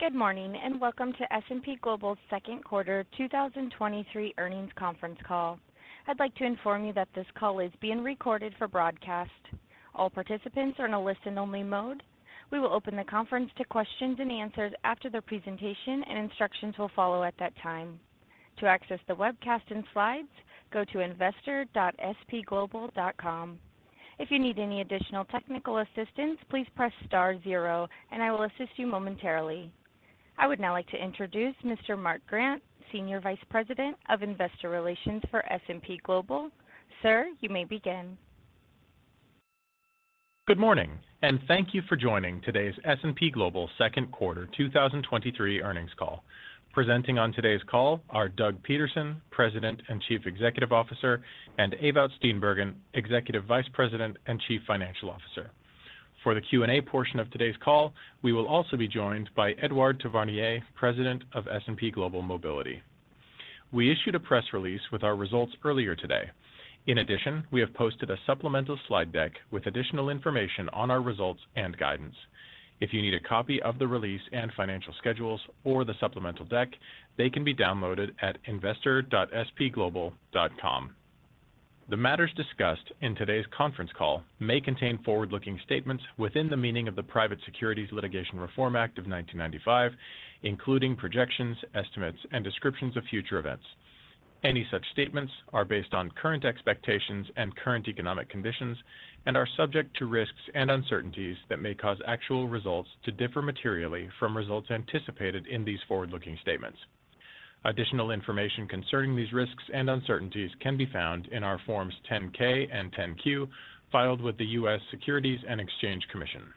Good morning, and welcome to S&P Global's second quarter 2023 earnings conference call. I'd like to inform you that this call is being recorded for broadcast. All participants are in a listen-only mode. We will open the conference to questions and answers after the presentation. Instructions will follow at that time. To access the webcast and slides, go to investor.spglobal.com. If you need any additional technical assistance, please press star zero, and I will assist you momentarily. I would now like to introduce Mr. Mark Grant, Senior Vice President of Investor Relations for S&P Global. Sir, you may begin. Good morning. Thank you for joining today's S&P Global second quarter 2023 earnings call. Presenting on today's call are Doug Peterson, President and Chief Executive Officer, and Ewout Steenbergen, Executive Vice President and Chief Financial Officer. For the Q&A portion of today's call, we will also be joined by Edouard Tavernier, President of S&P Global Mobility. We issued a press release with our results earlier today. In addition, we have posted a supplemental slide deck with additional information on our results and guidance. If you need a copy of the release and financial schedules or the supplemental deck, they can be downloaded at investor.spglobal.com. The matters discussed in today's conference call may contain forward-looking statements within the meaning of the Private Securities Litigation Reform Act of 1995, including projections, estimates, and descriptions of future events. Any such statements are based on current expectations and current economic conditions and are subject to risks and uncertainties that may cause actual results to differ materially from results anticipated in these forward-looking statements. Additional information concerning these risks and uncertainties can be found in our Forms 10-K and 10-Q filed with the U.S. Securities and Exchange Commission.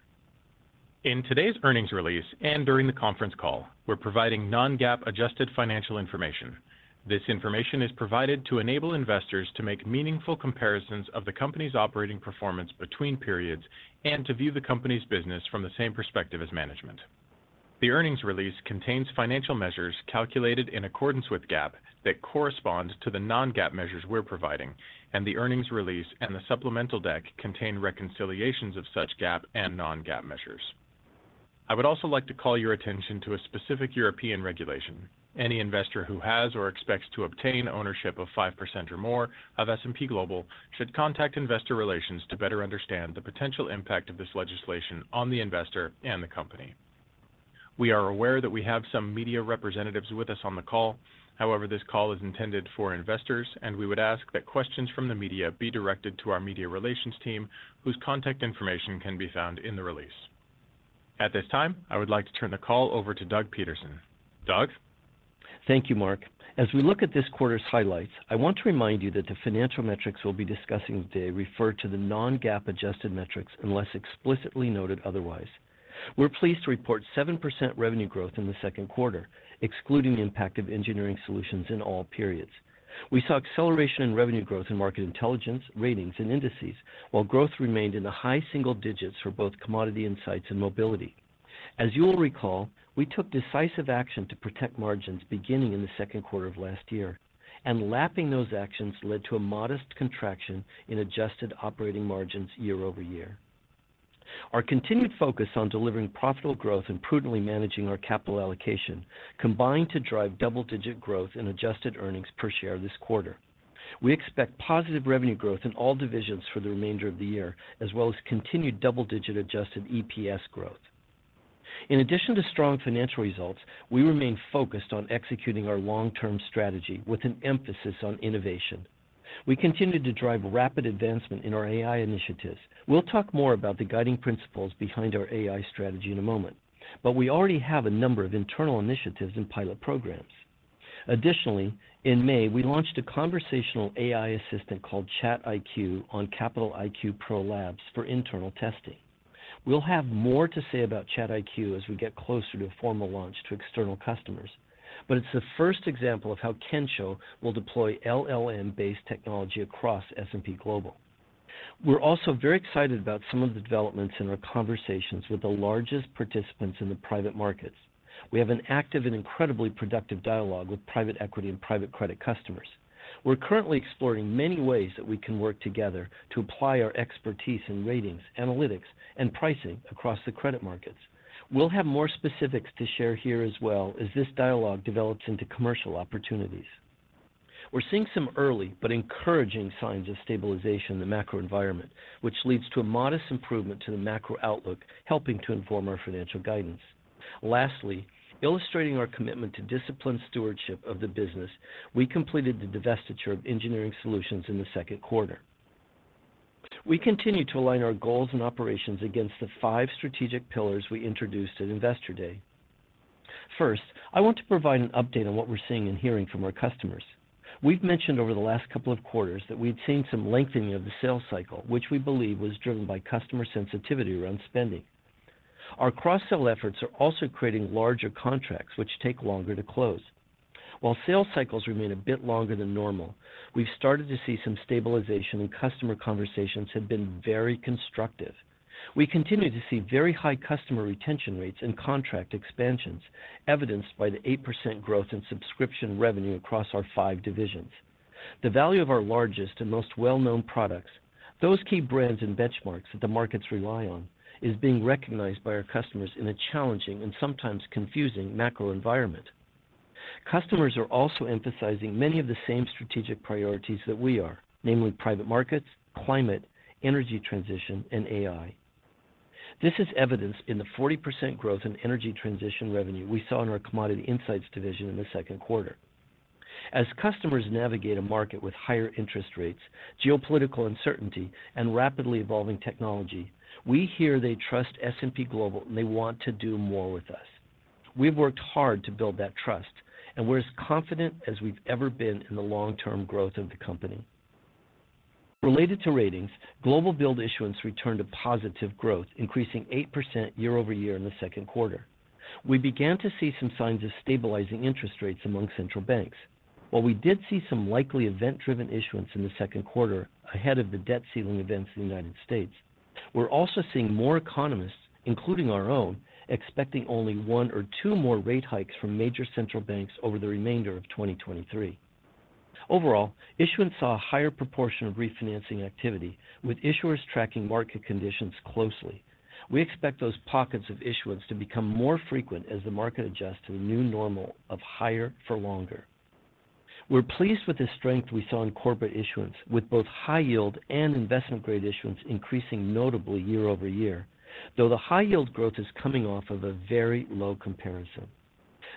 In today's earnings release and during the conference call, we're providing non-GAAP adjusted financial information. This information is provided to enable investors to make meaningful comparisons of the company's operating performance between periods and to view the company's business from the same perspective as management. The earnings release contains financial measures calculated in accordance with GAAP that correspond to the non-GAAP measures we're providing, and the earnings release and the supplemental deck contain reconciliations of such GAAP and non-GAAP measures. I would also like to call your attention to a specific European regulation. Any investor who has or expects to obtain ownership of 5% or more of S&P Global should contact Investor Relations to better understand the potential impact of this legislation on the investor and the company. We are aware that we have some media representatives with us on the call. However, this call is intended for investors, and we would ask that questions from the media be directed to our Media Relations team, whose contact information can be found in the release. At this time, I would like to turn the call over to Doug Peterson. Doug? Thank you, Mark. As we look at this quarter's highlights, I want to remind you that the financial metrics we'll be discussing today refer to the non-GAAP adjusted metrics, unless explicitly noted otherwise. We're pleased to report 7% revenue growth in the second quarter, excluding the impact of Engineering Solutions in all periods. We saw acceleration in revenue growth in Market Intelligence, Ratings, and Indices, while growth remained in the high single digits for both Commodity Insights and Mobility. As you will recall, we took decisive action to protect margins beginning in the second quarter of last year, and lapping those actions led to a modest contraction in adjusted operating margins year-over-year. Our continued focus on delivering profitable growth and prudently managing our capital allocation combined to drive double-digit growth in adjusted earnings per share this quarter. We expect positive revenue growth in all divisions for the remainder of the year, as well as continued double-digit adjusted EPS growth. In addition to strong financial results, we remain focused on executing our long-term strategy with an emphasis on innovation. We continued to drive rapid advancement in our AI initiatives. We'll talk more about the guiding principles behind our AI strategy in a moment. We already have a number of internal initiatives and pilot programs. Additionally, in May, we launched a conversational AI assistant called ChatIQ on Capital IQ Pro Labs for internal testing. We'll have more to say about ChatIQ as we get closer to a formal launch to external customers. It's the first example of how Kensho will deploy LLM-based technology across S&P Global. We're also very excited about some of the developments in our conversations with the largest participants in the private markets. We have an active and incredibly productive dialogue with private equity and private credit customers. We're currently exploring many ways that we can work together to apply our expertise in ratings, analytics, and pricing across the credit markets. We'll have more specifics to share here as well as this dialogue develops into commercial opportunities. We're seeing some early but encouraging signs of stabilization in the macro environment, which leads to a modest improvement to the macro outlook, helping to inform our financial guidance. Lastly, illustrating our commitment to disciplined stewardship of the business, we completed the divestiture of Engineering Solutions in the second quarter. We continue to align our goals and operations against the five strategic pillars we introduced at Investor Day. First, I want to provide an update on what we're seeing and hearing from our customers. We've mentioned over the last couple of quarters that we'd seen some lengthening of the sales cycle, which we believe was driven by customer sensitivity around spending. Our cross-sell efforts are also creating larger contracts, which take longer to close. While sales cycles remain a bit longer than normal, we've started to see some stabilization. Customer conversations have been very constructive. We continue to see very high customer retention rates and contract expansions, evidenced by the 8% growth in subscription revenue across our 5 divisions. The value of our largest and most well-known products, those key brands and benchmarks that the markets rely on, is being recognized by our customers in a challenging and sometimes confusing macro environment. Customers are also emphasizing many of the same strategic priorities that we are, namely private markets, climate, energy transition, and AI. This is evidenced in the 40% growth in energy transition revenue we saw in our Commodity Insights division in the second quarter. As customers navigate a market with higher interest rates, geopolitical uncertainty, and rapidly evolving technology, we hear they trust S&P Global, and they want to do more with us. We've worked hard to build that trust, and we're as confident as we've ever been in the long-term growth of the company. Related to ratings, global build issuance returned to positive growth, increasing 8% year-over-year in the second quarter. We began to see some signs of stabilizing interest rates among central banks. While we did see some likely event-driven issuance in the second quarter ahead of the debt ceiling events in the United States, we're also seeing more economists, including our own, expecting only one or two more rate hikes from major central banks over the remainder of 2023. Issuance saw a higher proportion of refinancing activity, with issuers tracking market conditions closely. We expect those pockets of issuance to become more frequent as the market adjusts to the new normal of higher for longer. We're pleased with the strength we saw in corporate issuance, with both high yield and investment-grade issuance increasing notably year-over-year, though the high yield growth is coming off of a very low comparison.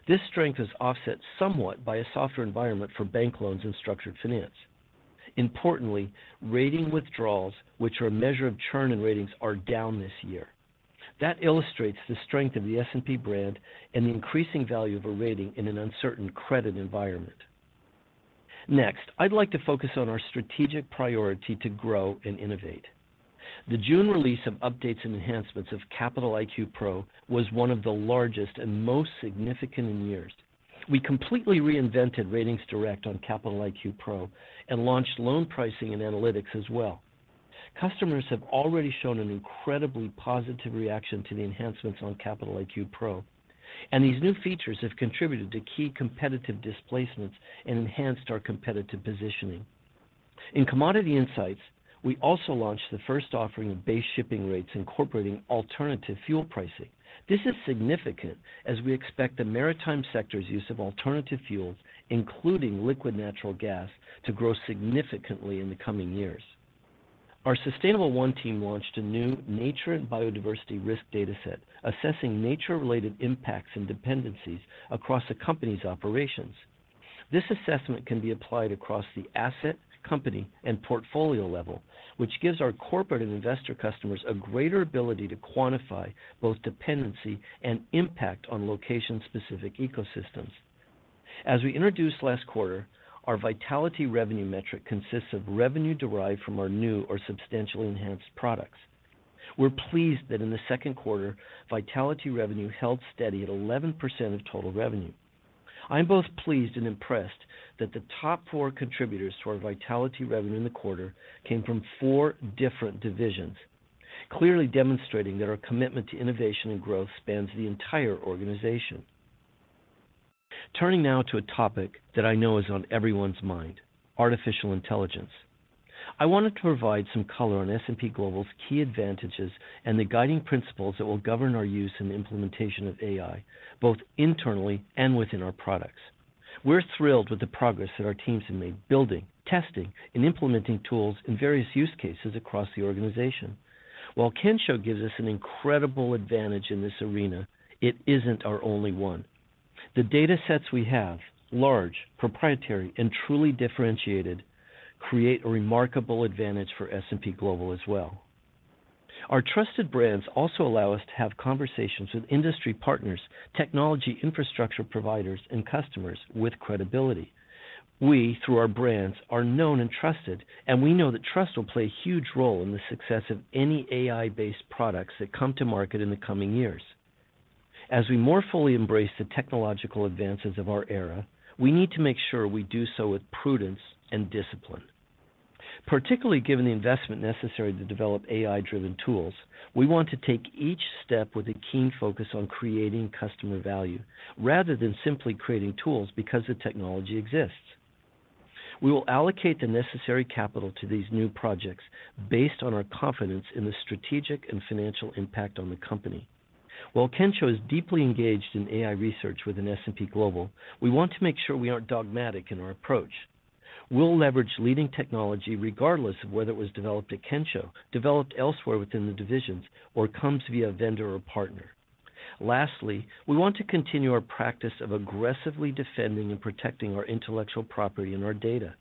This strength is offset somewhat by a softer environment for bank loans and structured finance. Importantly, rating withdrawals, which are a measure of churn in ratings, are down this year. That illustrates the strength of the S&P brand and the increasing value of a rating in an uncertain credit environment. I'd like to focus on our strategic priority to grow and innovate. The June release of updates and enhancements of Capital IQ Pro was one of the largest and most significant in years. We completely reinvented RatingsDirect on Capital IQ Pro and launched loan pricing and analytics as well. Customers have already shown an incredibly positive reaction to the enhancements on Capital IQ Pro, and these new features have contributed to key competitive displacements and enhanced our competitive positioning. In Commodity Insights, we also launched the first offering of base shipping rates incorporating alternative fuel pricing. This is significant as we expect the maritime sector's use of alternative fuels, including liquid natural gas, to grow significantly in the coming years. Our S&P Global Sustainable1 team launched a new nature and biodiversity risk data set, assessing nature-related impacts and dependencies across a company's operations. This assessment can be applied across the asset, company, and portfolio level, which gives our corporate and investor customers a greater ability to quantify both dependency and impact on location-specific ecosystems. As we introduced last quarter, our vitality revenue metric consists of revenue derived from our new or substantially enhanced products. We're pleased that in the second quarter, vitality revenue held steady at 11% of total revenue. I'm both pleased and impressed that the top four contributors to our vitality revenue in the quarter came from four different divisions, clearly demonstrating that our commitment to innovation and growth spans the entire organization. Turning now to a topic that I know is on everyone's mind, artificial intelligence. I wanted to provide some color on S&P Global's key advantages and the guiding principles that will govern our use and implementation of AI, both internally and within our products. We're thrilled with the progress that our teams have made, building, testing, and implementing tools in various use cases across the organization. While Kensho gives us an incredible advantage in this arena, it isn't our only one. The data sets we have, large, proprietary, and truly differentiated, create a remarkable advantage for S&P Global as well. Our trusted brands also allow us to have conversations with industry partners, technology infrastructure providers, and customers with credibility. We, through our brands, are known and trusted, and we know that trust will play a huge role in the success of any AI-based products that come to market in the coming years. As we more fully embrace the technological advances of our era, we need to make sure we do so with prudence and discipline. Particularly, given the investment necessary to develop AI-driven tools, we want to take each step with a keen focus on creating customer value rather than simply creating tools because the technology exists. We will allocate the necessary capital to these new projects based on our confidence in the strategic and financial impact on the company. While Kensho is deeply engaged in AI research within S&P Global, we want to make sure we aren't dogmatic in our approach. We'll leverage leading technology regardless of whether it was developed at Kensho, developed elsewhere within the divisions, or comes via a vendor or partner. Lastly, we want to continue our practice of aggressively defending and protecting our intellectual property and our data.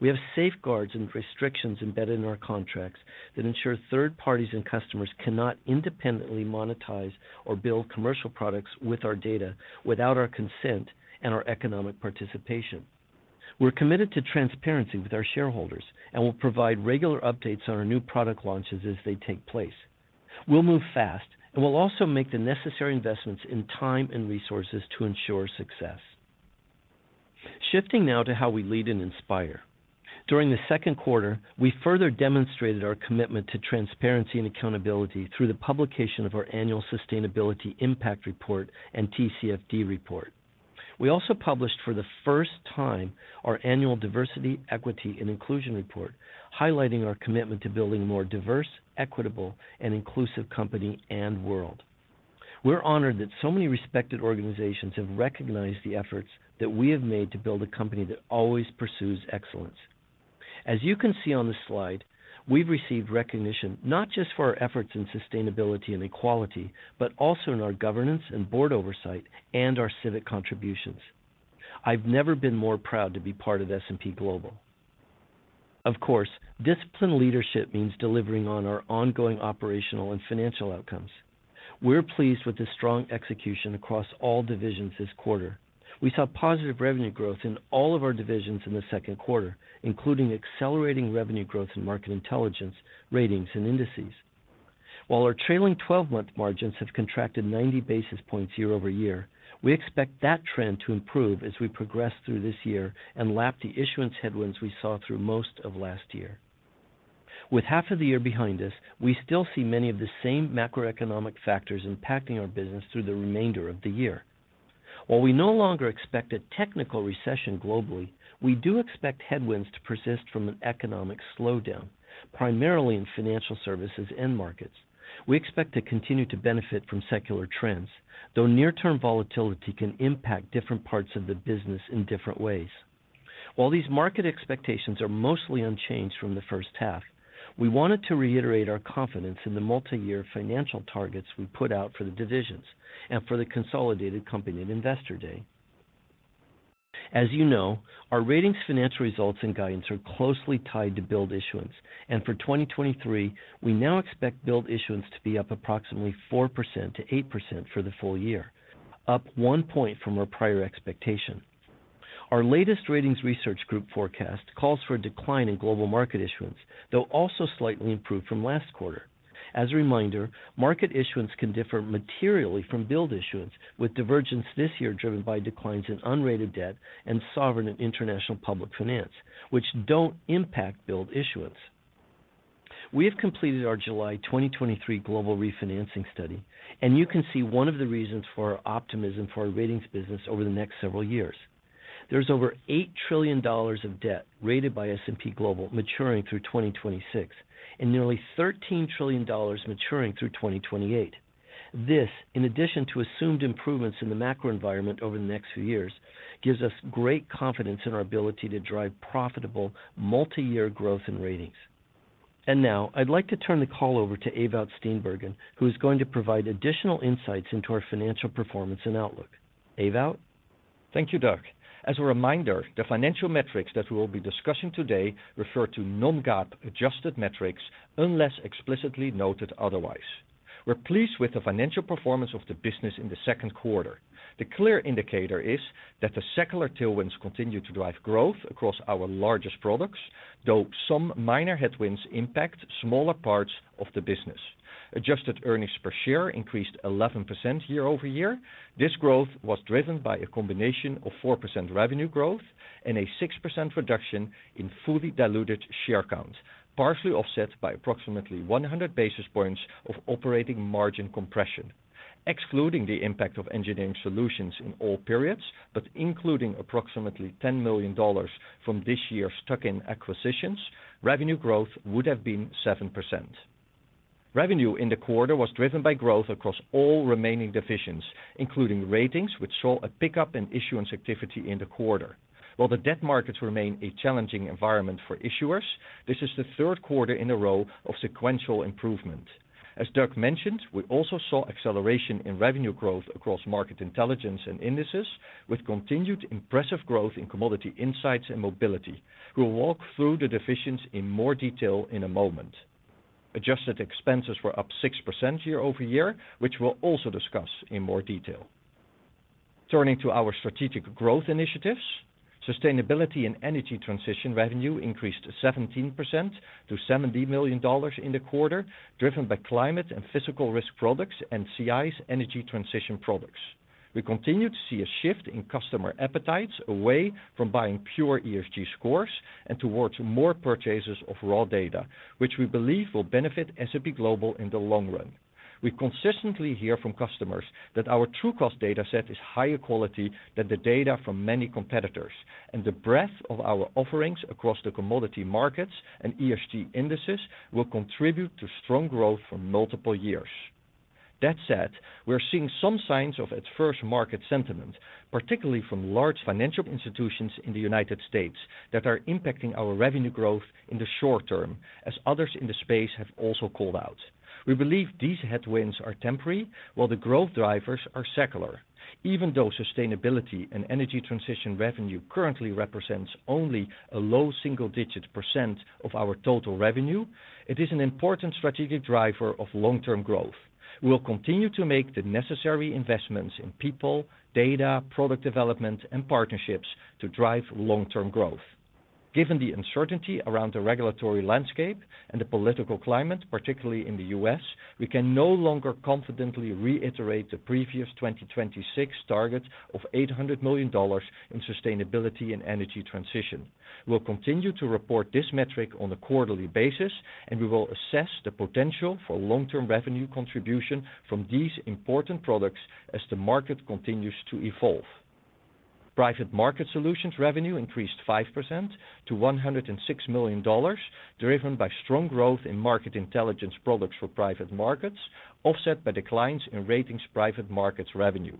We have safeguards and restrictions embedded in our contracts that ensure third parties and customers cannot independently monetize or build commercial products with our data without our consent and our economic participation. We're committed to transparency with our shareholders and will provide regular updates on our new product launches as they take place. We'll move fast, and we'll also make the necessary investments in time and resources to ensure success. Shifting now to how we lead and inspire. During the second quarter, we further demonstrated our commitment to transparency and accountability through the publication of our annual Sustainability Impact Report and TCFD Report. We also published for the first time our annual Diversity, Equity and Inclusion Report, highlighting our commitment to building a more diverse, equitable, and inclusive company and world. We're honored that so many respected organizations have recognized the efforts that we have made to build a company that always pursues excellence. As you can see on this slide, we've received recognition not just for our efforts in sustainability and equality, but also in our governance and board oversight and our civic contributions. I've never been more proud to be part of S&P Global. Of course, disciplined leadership means delivering on our ongoing operational and financial outcomes. We're pleased with the strong execution across all divisions this quarter. We saw positive revenue growth in all of our divisions in the second quarter, including accelerating revenue growth in Market Intelligence, Ratings, and Indices. While our trailing 12-month margins have contracted 90 basis points year-over-year, we expect that trend to improve as we progress through this year and lap the issuance headwinds we saw through most of last year. With half of the year behind us, we still see many of the same macroeconomic factors impacting our business through the remainder of the year. While we no longer expect a technical recession globally, we do expect headwinds to persist from an economic slowdown, primarily in financial services end markets. We expect to continue to benefit from secular trends, though near-term volatility can impact different parts of the business in different ways. While these market expectations are mostly unchanged from the first half, we wanted to reiterate our confidence in the multi-year financial targets we put out for the divisions and for the consolidated company at Investor Day. As you know, our ratings, financial results, and guidance are closely tied to build issuance, and for 2023, we now expect build issuance to be up approximately 4%-8% for the full year, up one point from our prior expectation. Our latest ratings research group forecast calls for a decline in global market issuance, though also slightly improved from last quarter. As a reminder, market issuance can differ materially from build issuance, with divergence this year driven by declines in unrated debt and sovereign and international public finance, which don't impact build issuance. We have completed our July 2023 global refinancing study, and you can see one of the reasons for our optimism for our ratings business over the next several years. There's over $8 trillion of debt rated by S&P Global maturing through 2026, and nearly $13 trillion maturing through 2028. This, in addition to assumed improvements in the macro environment over the next few years, gives us great confidence in our ability to drive profitable multi-year growth and ratings. Now, I'd like to turn the call over to Ewout Steenbergen, who is going to provide additional insights into our financial performance and outlook. Ewout? Thank you, Doug. As a reminder, the financial metrics that we will be discussing today refer to non-GAAP adjusted metrics unless explicitly noted otherwise. We're pleased with the financial performance of the business in the second quarter. The clear indicator is that the secular tailwinds continue to drive growth across our largest products, though some minor headwinds impact smaller parts of the business. Adjusted earnings per share increased 11% year-over-year. This growth was driven by a combination of 4% revenue growth and a 6% reduction in fully diluted share count, partially offset by approximately 100 basis points of operating margin compression. Excluding the impact of Engineering Solutions in all periods, but including approximately $10 million from this year's tuck-in acquisitions, revenue growth would have been 7%. Revenue in the quarter was driven by growth across all remaining divisions, including Ratings, which saw a pickup in issuance activity in the quarter. While the debt markets remain a challenging environment for issuers, this is the third quarter in a row of sequential improvement. As Doug mentioned, we also saw acceleration in revenue growth across Market Intelligence and Indices, with continued impressive growth in Commodity Insights and Mobility. We'll walk through the divisions in more detail in a moment. Adjusted expenses were up 6% year-over-year, which we'll also discuss in more detail. Turning to our strategic growth initiatives, sustainability and energy transition revenue increased 17% to $70 million in the quarter, driven by climate and physical risk products and CI's energy transition products. We continue to see a shift in customer appetites away from buying pure ESG scores and towards more purchases of raw data, which we believe will benefit S&P Global in the long run. We consistently hear from customers that our Trucost data set is higher quality than the data from many competitors, and the breadth of our offerings across the commodity markets and ESG indices will contribute to strong growth for multiple years. We are seeing some signs of adverse market sentiment, particularly from large financial institutions in the United States, that are impacting our revenue growth in the short term, as others in the space have also called out. We believe these headwinds are temporary, while the growth drivers are secular. Even though sustainability and energy transition revenue currently represents only a low single-digit % of our total revenue, it is an important strategic driver of long-term growth. We will continue to make the necessary investments in people, data, product development, and partnerships to drive long-term growth. Given the uncertainty around the regulatory landscape and the political climate, particularly in the U.S., we can no longer confidently reiterate the previous 2026 target of $800 million in sustainability and energy transition. We'll continue to report this metric on a quarterly basis, and we will assess the potential for long-term revenue contribution from these important products as the market continues to evolve. Private market solutions revenue increased 5% to $106 million, driven by strong growth in market intelligence products for private markets, offset by declines in Ratings private markets revenue.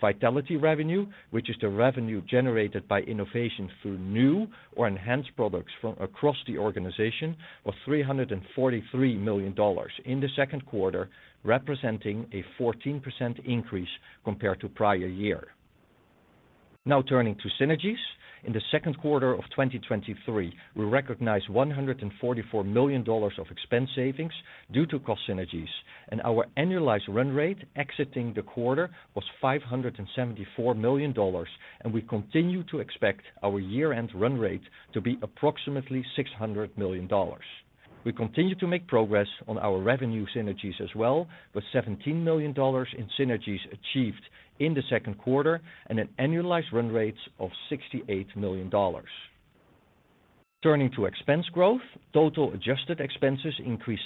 Vitality revenue, which is the revenue generated by innovation through new or enhanced products from across the organization, was $343 million in the second quarter, representing a 14% increase compared to prior year. Turning to synergies. In the second quarter of 2023, we recognized $144 million of expense savings due to cost synergies, our annualized run rate exiting the quarter was $574 million, we continue to expect our year-end run rate to be approximately $600 million. We continue to make progress on our revenue synergies as well, with $17 million in synergies achieved in the second quarter and an annualized run rate of $68 million. Turning to expense growth. Total adjusted expenses increased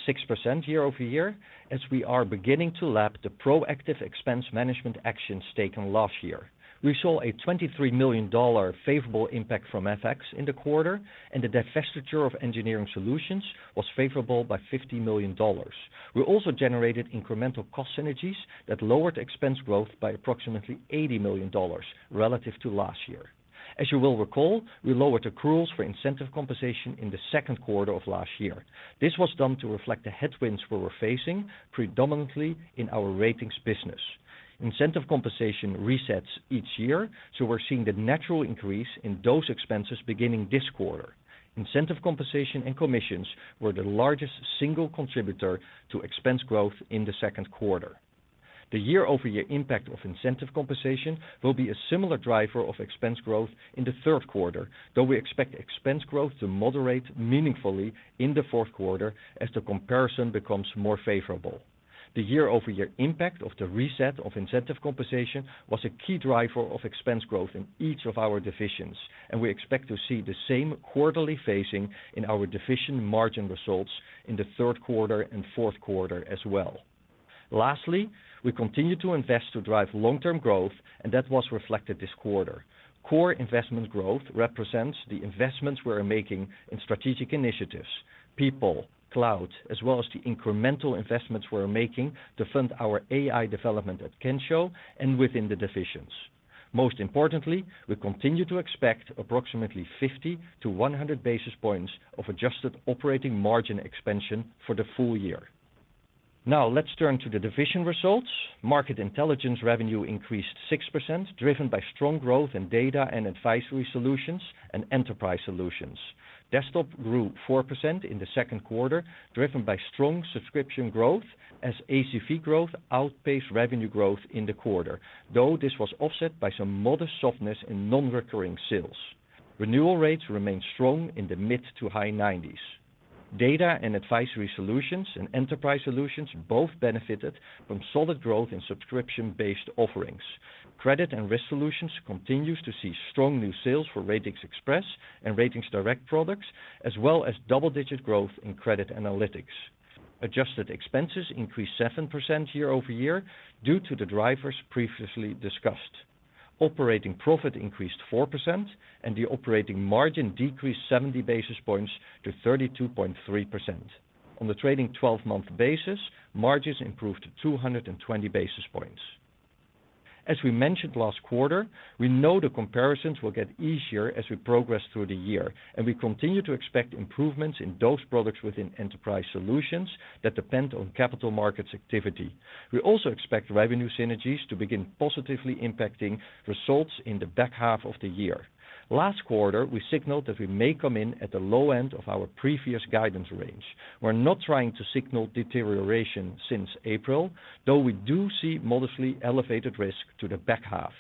6% year-over-year as we are beginning to lap the proactive expense management actions taken last year. We saw a $23 million favorable impact from FX in the quarter. The divestiture of Engineering Solutions was favorable by $50 million. We also generated incremental cost synergies that lowered expense growth by approximately $80 million relative to last year. As you will recall, we lowered accruals for incentive compensation in the second quarter of last year. This was done to reflect the headwinds we were facing, predominantly in our Ratings business. Incentive compensation resets each year. We're seeing the natural increase in those expenses beginning this quarter. Incentive compensation and commissions were the largest single contributor to expense growth in the second quarter. The year-over-year impact of incentive compensation will be a similar driver of expense growth in the third quarter, though we expect expense growth to moderate meaningfully in the fourth quarter as the comparison becomes more favorable. The year-over-year impact of the reset of incentive compensation was a key driver of expense growth in each of our divisions, and we expect to see the same quarterly phasing in our division margin results in the third quarter and fourth quarter as well. Lastly, we continue to invest to drive long-term growth, and that was reflected this quarter. Core investment growth represents the investments we are making in strategic initiatives, people, cloud, as well as the incremental investments we are making to fund our AI development at Kensho and within the divisions. Most importantly, we continue to expect approximately 50 to 100 basis points of adjusted operating margin expansion for the full year. Let's turn to the division results. Market Intelligence revenue increased 6%, driven by strong growth in data and advisory solutions and enterprise solutions. Desktop grew 4% in the second quarter, driven by strong subscription growth as ACV growth outpaced revenue growth in the quarter, though this was offset by some modest softness in non-recurring sales. Renewal rates remained strong in the mid to high 90s. Data and advisory solutions and enterprise solutions both benefited from solid growth in subscription-based offerings. Credit and Risk Solutions continues to see strong new sales for RatingsXpress and RatingsDirect products, as well as double-digit growth in credit analytics. Adjusted expenses increased 7% year-over-year due to the drivers previously discussed. Operating profit increased 4% and the operating margin decreased 70 basis points to 32.3%. On the trailing twelve-month basis, margins improved to 220 basis points. As we mentioned last quarter, we know the comparisons will get easier as we progress through the year, and we continue to expect improvements in those products within enterprise solutions that depend on capital markets activity. We also expect revenue synergies to begin positively impacting results in the back half of the year. Last quarter, we signaled that we may come in at the low end of our previous guidance range. We're not trying to signal deterioration since April, though we do see modestly elevated risk to the back half.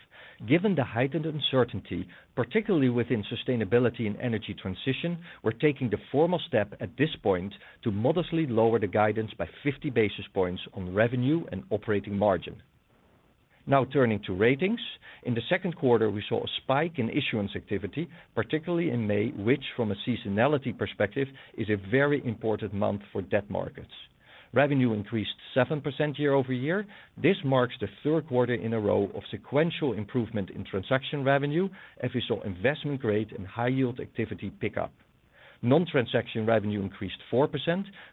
Given the heightened uncertainty, particularly within sustainability and energy transition, we're taking the formal step at this point to modestly lower the guidance by 50 basis points on revenue and operating margin. Now turning to ratings. In the second quarter, we saw a spike in issuance activity, particularly in May, which, from a seasonality perspective, is a very important month for debt markets. Revenue increased 7% year-over-year. This marks the third quarter in a row of sequential improvement in transaction revenue as we saw investment grade and high yield activity pick up. Non-transaction revenue increased 4%,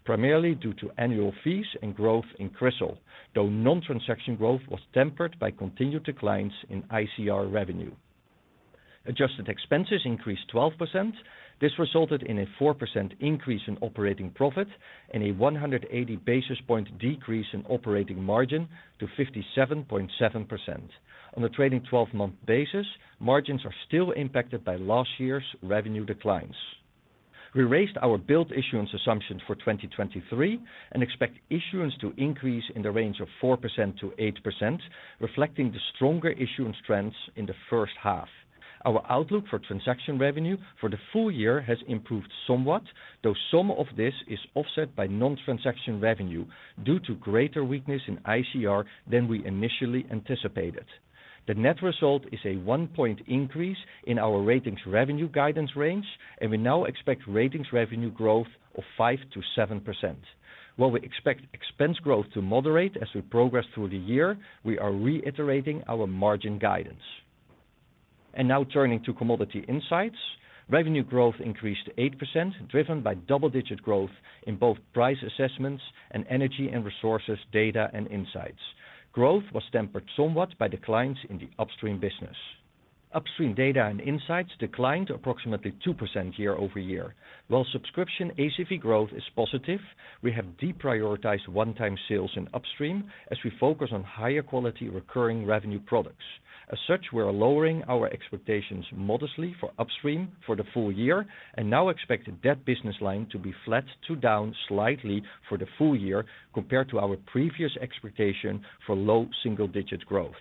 primarily due to annual fees and growth in CRISIL, though non-transaction growth was tempered by continued declines in ICR revenue. Adjusted expenses increased 12%. This resulted in a 4% increase in operating profit and a 180 basis point decrease in operating margin to 57.7%. On the trailing 12-month basis, margins are still impacted by last year's revenue declines. We raised our build issuance assumptions for 2023 and expect issuance to increase in the range of 4%-8%, reflecting the stronger issuance trends in the first half. Our outlook for transaction revenue for the full year has improved somewhat, though some of this is offset by non-transaction revenue due to greater weakness in ICR than we initially anticipated. The net result is a 1 point increase in our ratings revenue guidance range. We now expect ratings revenue growth of 5%-7%. While we expect expense growth to moderate as we progress through the year, we are reiterating our margin guidance.... Now turning to Commodity Insights. Revenue growth increased 8%, driven by double-digit growth in both price assessments and energy and resources, data and insights. Growth was tempered somewhat by declines in the upstream business. Upstream data and insights declined approximately 2% year-over-year, while subscription ACV growth is positive. We have deprioritized one-time sales in upstream as we focus on higher quality recurring revenue products. As such, we are lowering our expectations modestly for upstream for the full year, and now expect that business line to be flat to down slightly for the full year, compared to our previous expectation for low single-digit growth.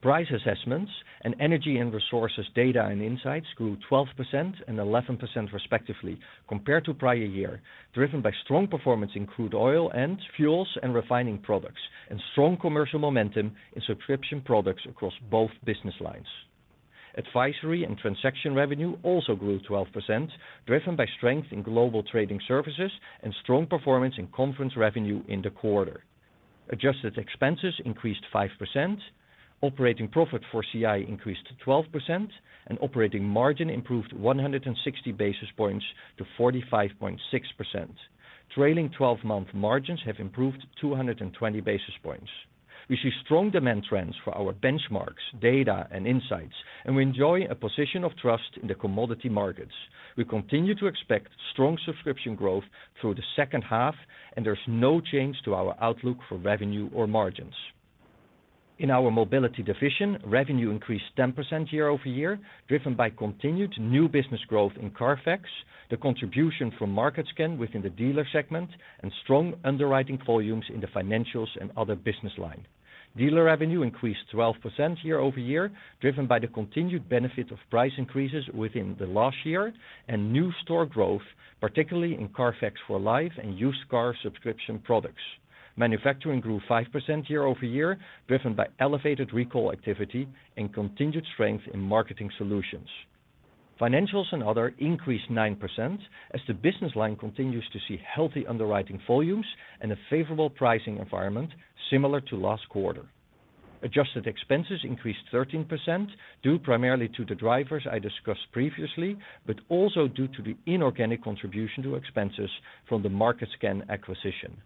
Price assessments and energy and resources, data and insights grew 12% and 11% respectively, compared to prior year, driven by strong performance in crude oil and fuels and refining products, and strong commercial momentum in subscription products across both business lines. Advisory and transaction revenue also grew 12%, driven by strength in global trading services and strong performance in conference revenue in the quarter. Adjusted expenses increased 5%. Operating profit for CI increased 12%. Operating margin improved 160 basis points to 45.6%. Trailing twelve-month margins have improved 220 basis points. We see strong demand trends for our benchmarks, data, and insights. We enjoy a position of trust in the commodity markets. We continue to expect strong subscription growth through the second half. There's no change to our outlook for revenue or margins. In our Mobility Division, revenue increased 10% year-over-year, driven by continued new business growth in CARFAX, the contribution from MarketScan within the dealer segment, and strong underwriting volumes in the financials and other business line. Dealer revenue increased 12% year-over-year, driven by the continued benefit of price increases within the last year and new store growth, particularly in CARFAX for Life and used car subscription products. Manufacturing grew 5% year-over-year, driven by elevated recall activity and continued strength in marketing solutions. Financials and other increased 9%, as the business line continues to see healthy underwriting volumes and a favorable pricing environment similar to last quarter. Adjusted expenses increased 13%, due primarily to the drivers I discussed previously, but also due to the inorganic contribution to expenses from the Market Scan acquisition.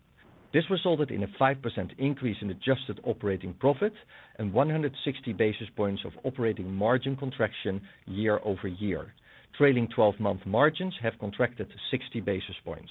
This resulted in a 5% increase in adjusted operating profit and 160 basis points of operating margin contraction year-over-year. Trailing twelve-month margins have contracted to 60 basis points.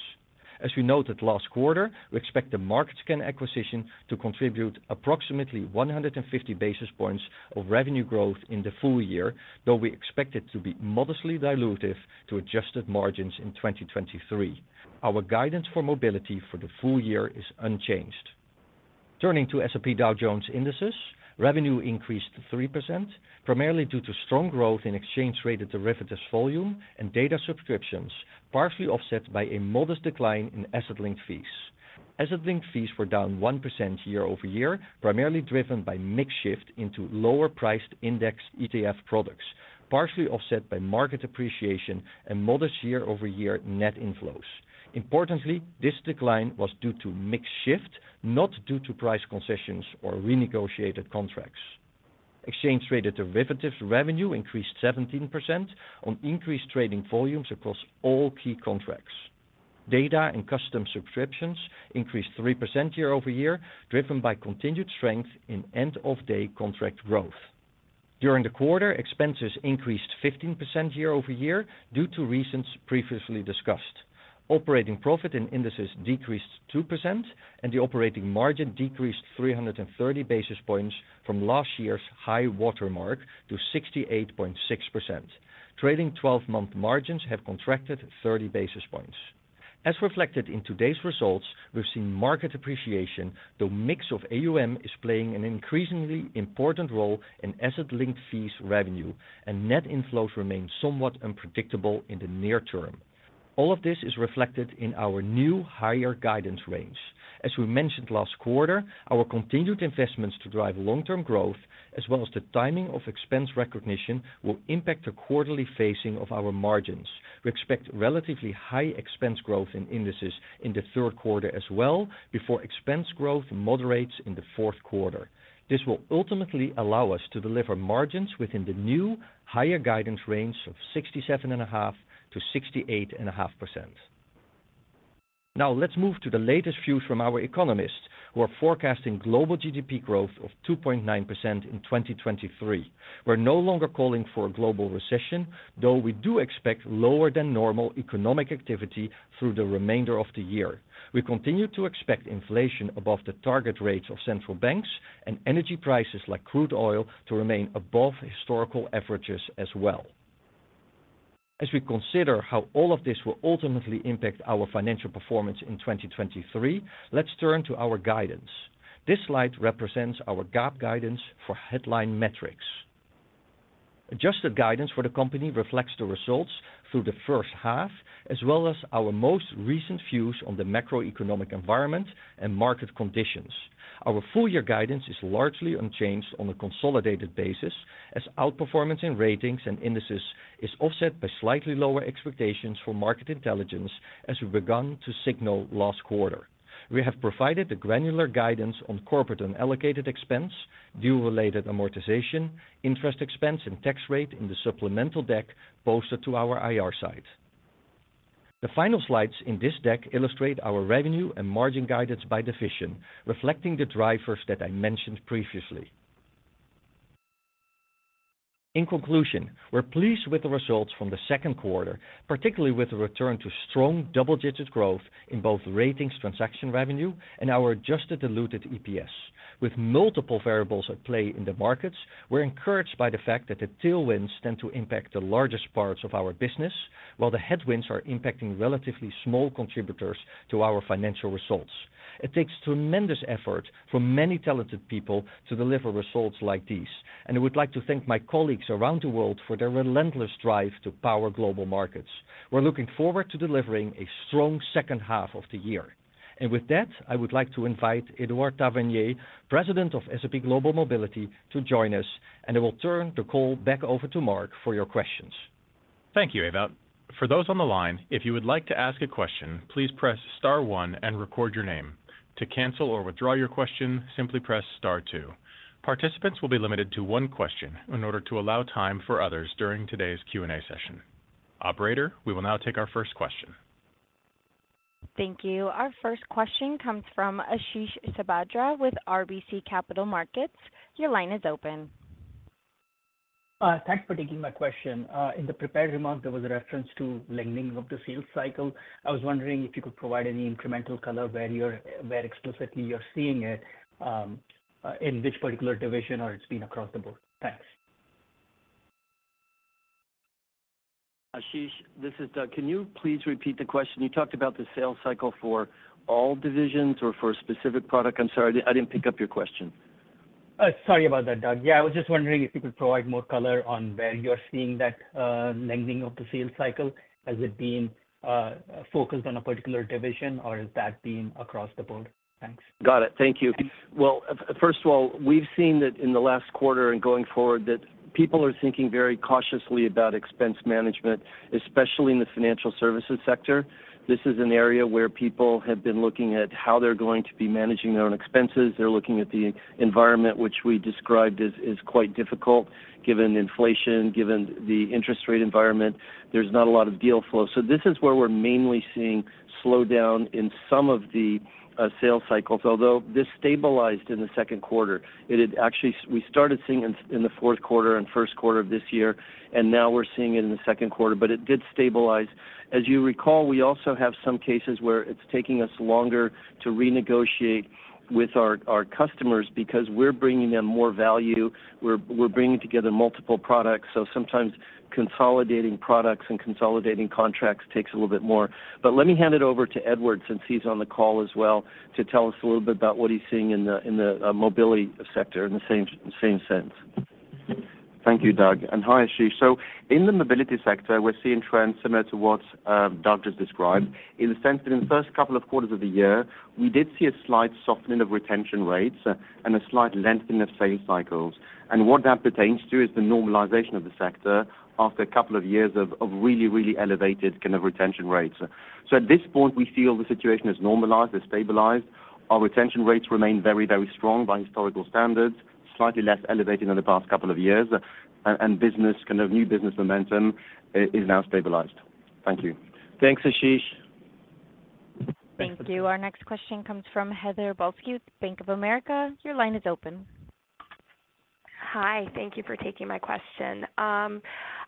As we noted last quarter, we expect the Market Scan acquisition to contribute approximately 150 basis points of revenue growth in the full year, though we expect it to be modestly dilutive to adjusted margins in 2023. Our guidance for Mobility for the full year is unchanged. Turning to S&P Dow Jones Indices, revenue increased 3%, primarily due to strong growth in exchange-traded derivatives volume and data subscriptions, partially offset by a modest decline in asset-linked fees. Asset-linked fees were down 1% year-over-year, primarily driven by mix shift into lower-priced index ETF products, partially offset by market appreciation and modest year-over-year net inflows. Importantly, this decline was due to mix shift, not due to price concessions or renegotiated contracts. Exchange-traded derivatives revenue increased 17% on increased trading volumes across all key contracts. Data and custom subscriptions increased 3% year-over-year, driven by continued strength in end-of-day contract growth. During the quarter, expenses increased 15% year-over-year, due to reasons previously discussed. Operating profit in Indices decreased 2%, and the operating margin decreased 330 basis points from last year's high-water mark to 68.6%. Trading 12-month margins have contracted 30 basis points. As reflected in today's results, we've seen market appreciation, though mix of AUM is playing an increasingly important role in asset-linked fees revenue, and net inflows remain somewhat unpredictable in the near term. All of this is reflected in our new higher guidance range. As we mentioned last quarter, our continued investments to drive long-term growth, as well as the timing of expense recognition, will impact the quarterly phasing of our margins. We expect relatively high expense growth in Indices in the third quarter as well, before expense growth moderates in the fourth quarter. This will ultimately allow us to deliver margins within the new higher guidance range of 67.5%-68.5%. Now, let's move to the latest views from our economists, who are forecasting global GDP growth of 2.9% in 2023. We're no longer calling for a global recession, though we do expect lower than normal economic activity through the remainder of the year. We continue to expect inflation above the target rates of central banks and energy prices, like crude oil, to remain above historical averages as well. As we consider how all of this will ultimately impact our financial performance in 2023, let's turn to our guidance. This slide represents our GAAP guidance for headline metrics. Adjusted guidance for the company reflects the results through the first half, as well as our most recent views on the macroeconomic environment and market conditions. Our full year guidance is largely unchanged on a consolidated basis, as outperformance in Ratings and Indices is offset by slightly lower expectations for Market Intelligence, as we've begun to signal last quarter. We have provided the granular guidance on corporate and allocated expense, deal-related amortization, interest expense, and tax rate in the supplemental deck posted to our IR site. The final slides in this deck illustrate our revenue and margin guidance by division, reflecting the drivers that I mentioned previously. In conclusion, we're pleased with the results from the second quarter, particularly with the return to strong double-digit growth in both ratings transaction revenue and our adjusted diluted EPS. With multiple variables at play in the markets, we're encouraged by the fact that the tailwinds stand to impact the largest parts of our business, while the headwinds are impacting relatively small contributors to our financial results. It takes tremendous effort from many talented people to deliver results like these, and I would like to thank my colleagues around the world for their relentless drive to power global markets. We're looking forward to delivering a strong second half of the year. With that, I would like to invite Edouard Tavernier, President of S&P Global Mobility, to join us, and I will turn the call back over to Mark for your questions. Thank you, Ewout. For those on the line, if you would like to ask a question, please press star one and record your name. To cancel or withdraw your question, simply press star two. Participants will be limited to one question in order to allow time for others during today's Q&A session. Operator, we will now take our first question. Thank you. Our first question comes from Ashish Sabadra with RBC Capital Markets. Your line is open. Thanks for taking my question. In the prepared remarks, there was a reference to lengthening of the sales cycle. I was wondering if you could provide any incremental color where explicitly you're seeing it, in which particular division, or it's been across the board? Thanks. Ashish, this is Doug. Can you please repeat the question? You talked about the sales cycle for all divisions or for a specific product. I'm sorry, I didn't pick up your question. Sorry about that, Doug. I was just wondering if you could provide more color on where you're seeing that, lengthening of the sales cycle. Has it been focused on a particular division, or has that been across the board? Thanks. Got it. Thank you. Well, first of all, we've seen that in the last quarter and going forward, that people are thinking very cautiously about expense management, especially in the financial services sector. This is an area where people have been looking at how they're going to be managing their own expenses. They're looking at the environment, which we described as quite difficult, given inflation, given the interest rate environment. There's not a lot of deal flow. This is where we're mainly seeing slowdown in some of the sales cycles, although this stabilized in the second quarter. We started seeing in the fourth quarter and first quarter of this year, and now we're seeing it in the second quarter, but it did stabilize. As you recall, we also have some cases where it's taking us longer to renegotiate with our customers because we're bringing them more value. We're bringing together multiple products, sometimes consolidating products and consolidating contracts takes a little bit more. Let me hand it over to Edouard, since he's on the call as well, to tell us a little bit about what he's seeing in the mobility sector in the same sense. Thank you, Doug, and hi, Ashish. In the Mobility sector, we're seeing trends similar to what Doug just described, in the sense that in the first couple of quarters of the year, we did see a slight softening of retention rates and a slight lengthening of sales cycles. What that pertains to is the normalization of the sector after a couple of years of really, really elevated kind of retention rates. At this point, we feel the situation has normalized, has stabilized. Our retention rates remain very, very strong by historical standards, slightly less elevated than the past couple of years, and business, kind of new business momentum, is now stabilized. Thank you. Thanks, Ashish. Thank you. Our next question comes from Heather Balsky, Bank of America. Your line is open. Hi, thank you for taking my question.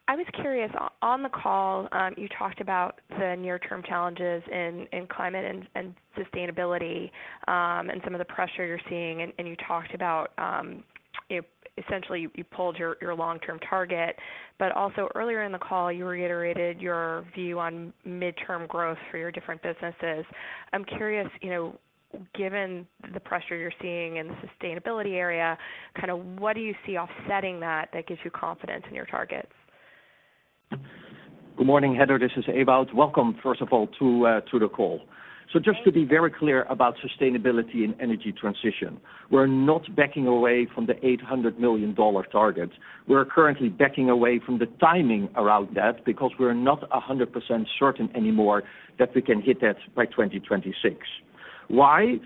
I was curious, on the call, you talked about the near-term challenges in climate and sustainability, and some of the pressure you're seeing, and you talked about, essentially, you pulled your long-term target. Earlier in the call, you reiterated your view on midterm growth for your different businesses. I'm curious, you know, given the pressure you're seeing in the sustainability area, kind of what do you see offsetting that, that gives you confidence in your targets? Good morning, Heather. This is Ewout. Welcome, first of all, to the call. Just to be very clear about sustainability and energy transition, we're not backing away from the $800 million target. We're currently backing away from the timing around that, because we're not 100% certain anymore that we can hit that by 2026. Why?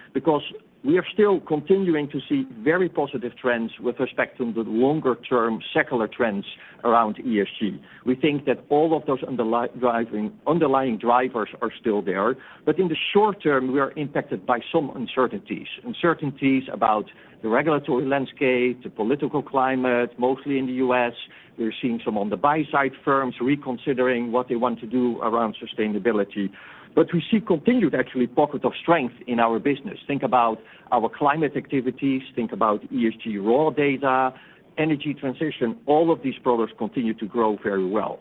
We are still continuing to see very positive trends with respect to the longer-term secular trends around ESG. We think that all of those underlying drivers are still there, but in the short term, we are impacted by some uncertainties. Uncertainties about the regulatory landscape, the political climate, mostly in the U.S. We're seeing some on the buy side firms reconsidering what they want to do around sustainability. We see continued, actually, pocket of strength in our business. Think about our climate activities. Think about ESG raw data, energy transition. All of these products continue to grow very well.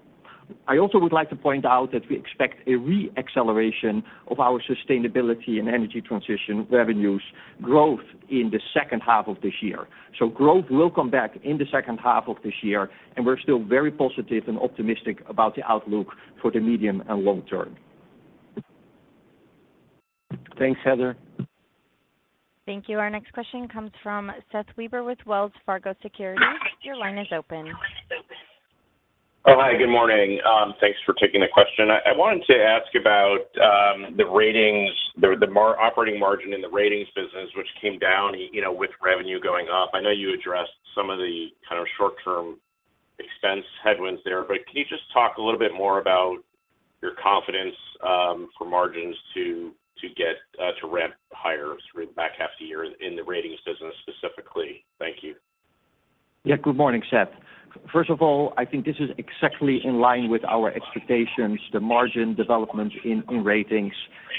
I also would like to point out that we expect a re-acceleration of our sustainability and energy transition revenues growth in the second half of this year. Growth will come back in the second half of this year, and we're still very positive and optimistic about the outlook for the medium and long term. Thanks, Heather. Thank you. Our next question comes from Seth Weber with Wells Fargo Securities. Your line is open. Hi, good morning. Thanks for taking the question. I wanted to ask about the Ratings, the operating margin in the Ratings business, which came down, you know, with revenue going up. I know you addressed some of the kind of short-term expense headwinds there. Can you just talk a little bit more about your confidence for margins to get to ramp higher through the back half of the year in the Ratings business specifically? Thank you. Yeah. Good morning, Seth. First of all, I think this is exactly in line with our expectations, the margin development in, in ratings,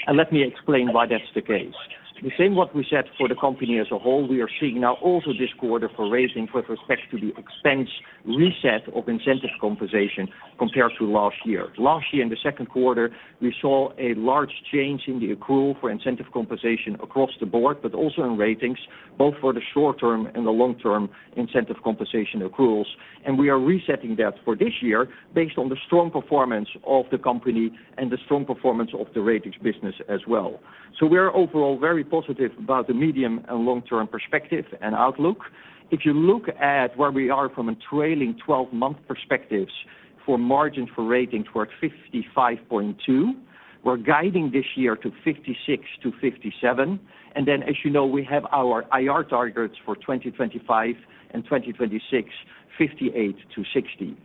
and let me explain why that's the case. The same what we said for the company as a whole, we are seeing now also this quarter for ratings with respect to the expense reset of incentive compensation compared to last year. Last year, in the second quarter, we saw a large change in the accrual for incentive compensation across the board, but also in ratings, both for the short-term and the long-term incentive compensation accruals. We are resetting that for this year based on the strong performance of the company and the strong performance of the ratings business as well. We are overall very positive about the medium and long-term perspective and outlook. If you look at where we are from a trailing twelve-month perspectives for margin, for ratings, we're at 55.2%. We're guiding this year to 56%-57%. As you know, we have our IR targets for 2025 and 2026, 58%-60%.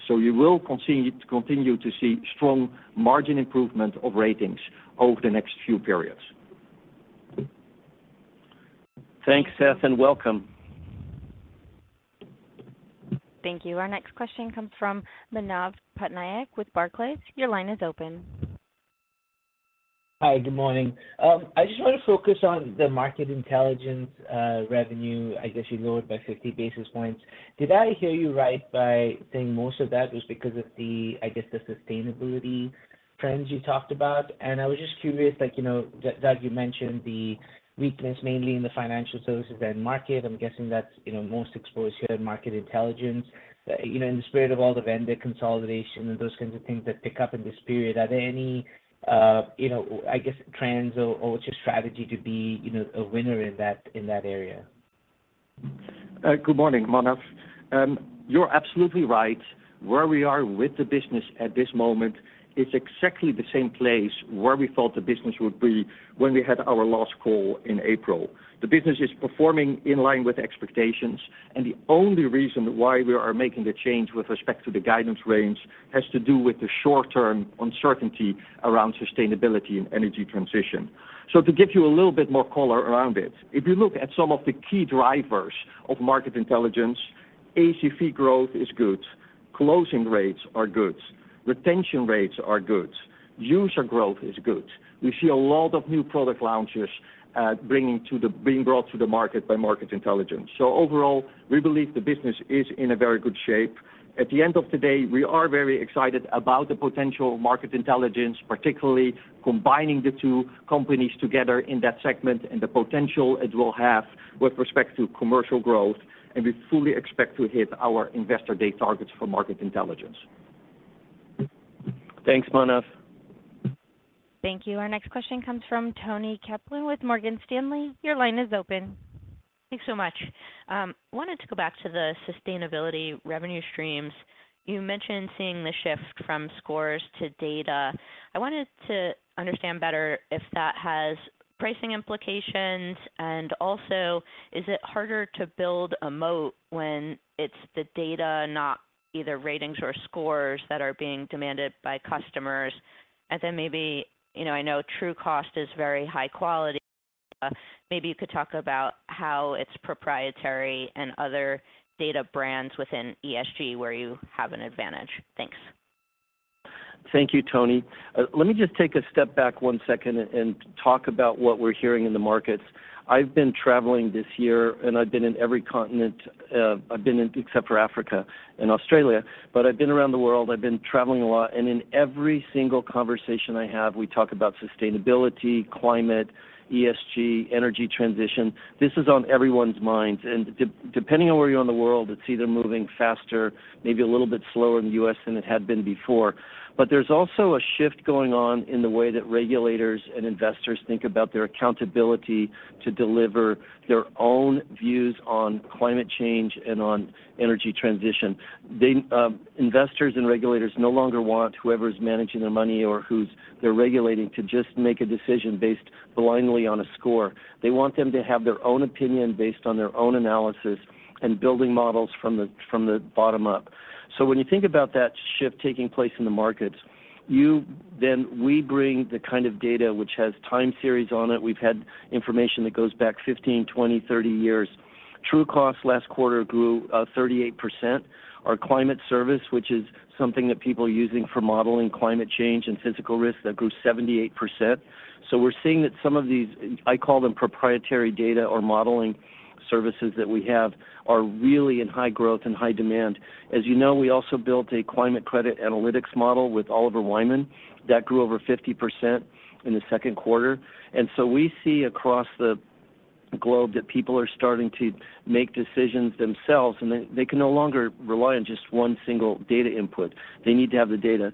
You will continue to see strong margin improvement of ratings over the next few periods. Thanks, Seth, and welcome. Thank you. Our next question comes from Manav Patnaik with Barclays. Your line is open. Hi, good morning. I just want to focus on the Market Intelligence revenue. I guess you lowered by 50 basis points. Did I hear you right by saying most of that was because of the, I guess, the sustainability trends you talked about? I was just curious, like, you know, Doug, you mentioned the weakness mainly in the financial services and market. I'm guessing that's, you know, most exposed here in Market Intelligence. You know, in the spirit of all the vendor consolidation and those kinds of things that pick up in this period, are there any, you know, I guess, trends or just strategy to be, you know, a winner in that, in that area? Good morning, Manav. You're absolutely right. Where we are with the business at this moment is exactly the same place where we thought the business would be when we had our last call in April. The business is performing in line with expectations. The only reason why we are making the change with respect to the guidance range has to do with the short-term uncertainty around sustainability and energy transition. To give you a little bit more color around it, if you look at some of the key drivers of Market Intelligence, ACV growth is good, closing rates are good, retention rates are good, user growth is good. We see a lot of new product launches being brought to the market by Market Intelligence. Overall, we believe the business is in a very good shape. At the end of the day, we are very excited about the potential market intelligence, particularly combining the two companies together in that segment and the potential it will have with respect to commercial growth. We fully expect to hit our Investor Day targets for market intelligence. Thanks, Manav. Thank you. Our next question comes from Toni Kaplan with Morgan Stanley. Your line is open. Thanks so much. I wanted to go back to the sustainability revenue streams. You mentioned seeing the shift from scores to data. I wanted to understand better if that has pricing implications, and also, is it harder to build a moat when it's the data, not either ratings or scores that are being demanded by customers? Maybe, you know, I know Trucost is very high quality. Maybe you could talk about how it's proprietary and other data brands within ESG, where you have an advantage. Thanks. Thank you, Toni. Let me just take a step back one second and talk about what we're hearing in the markets. I've been traveling this year, and I've been in every continent, I've been in except for Africa and Australia, but I've been around the world. I've been traveling a lot, and in every single conversation I have, we talk about sustainability, climate, ESG, energy transition. This is on everyone's minds, and depending on where you are in the world, it's either moving faster, maybe a little bit slower in the U.S. than it had been before. There's also a shift going on in the way that regulators and investors think about their accountability to deliver their own views on climate change and on energy transition. They. Investors and regulators no longer want whoever's managing their money or who's they're regulating, to just make a decision based blindly on a score. They want them to have their own opinion based on their own analysis and building models from the bottom up. When you think about that shift taking place in the markets, we bring the kind of data which has time series on it. We've had information that goes back 15, 20, 30 years. Trucost last quarter grew 38%. Our climate service, which is something that people are using for modeling climate change and physical risk, that grew 78%. We're seeing that some of these, I call them proprietary data or modeling services that we have, are really in high growth and high demand. As you know, we also built a Climate Credit Analytics model with Oliver Wyman that grew over 50% in the second quarter. We see across the globe that people are starting to make decisions themselves, and they can no longer rely on just one single data input. They need to have the data.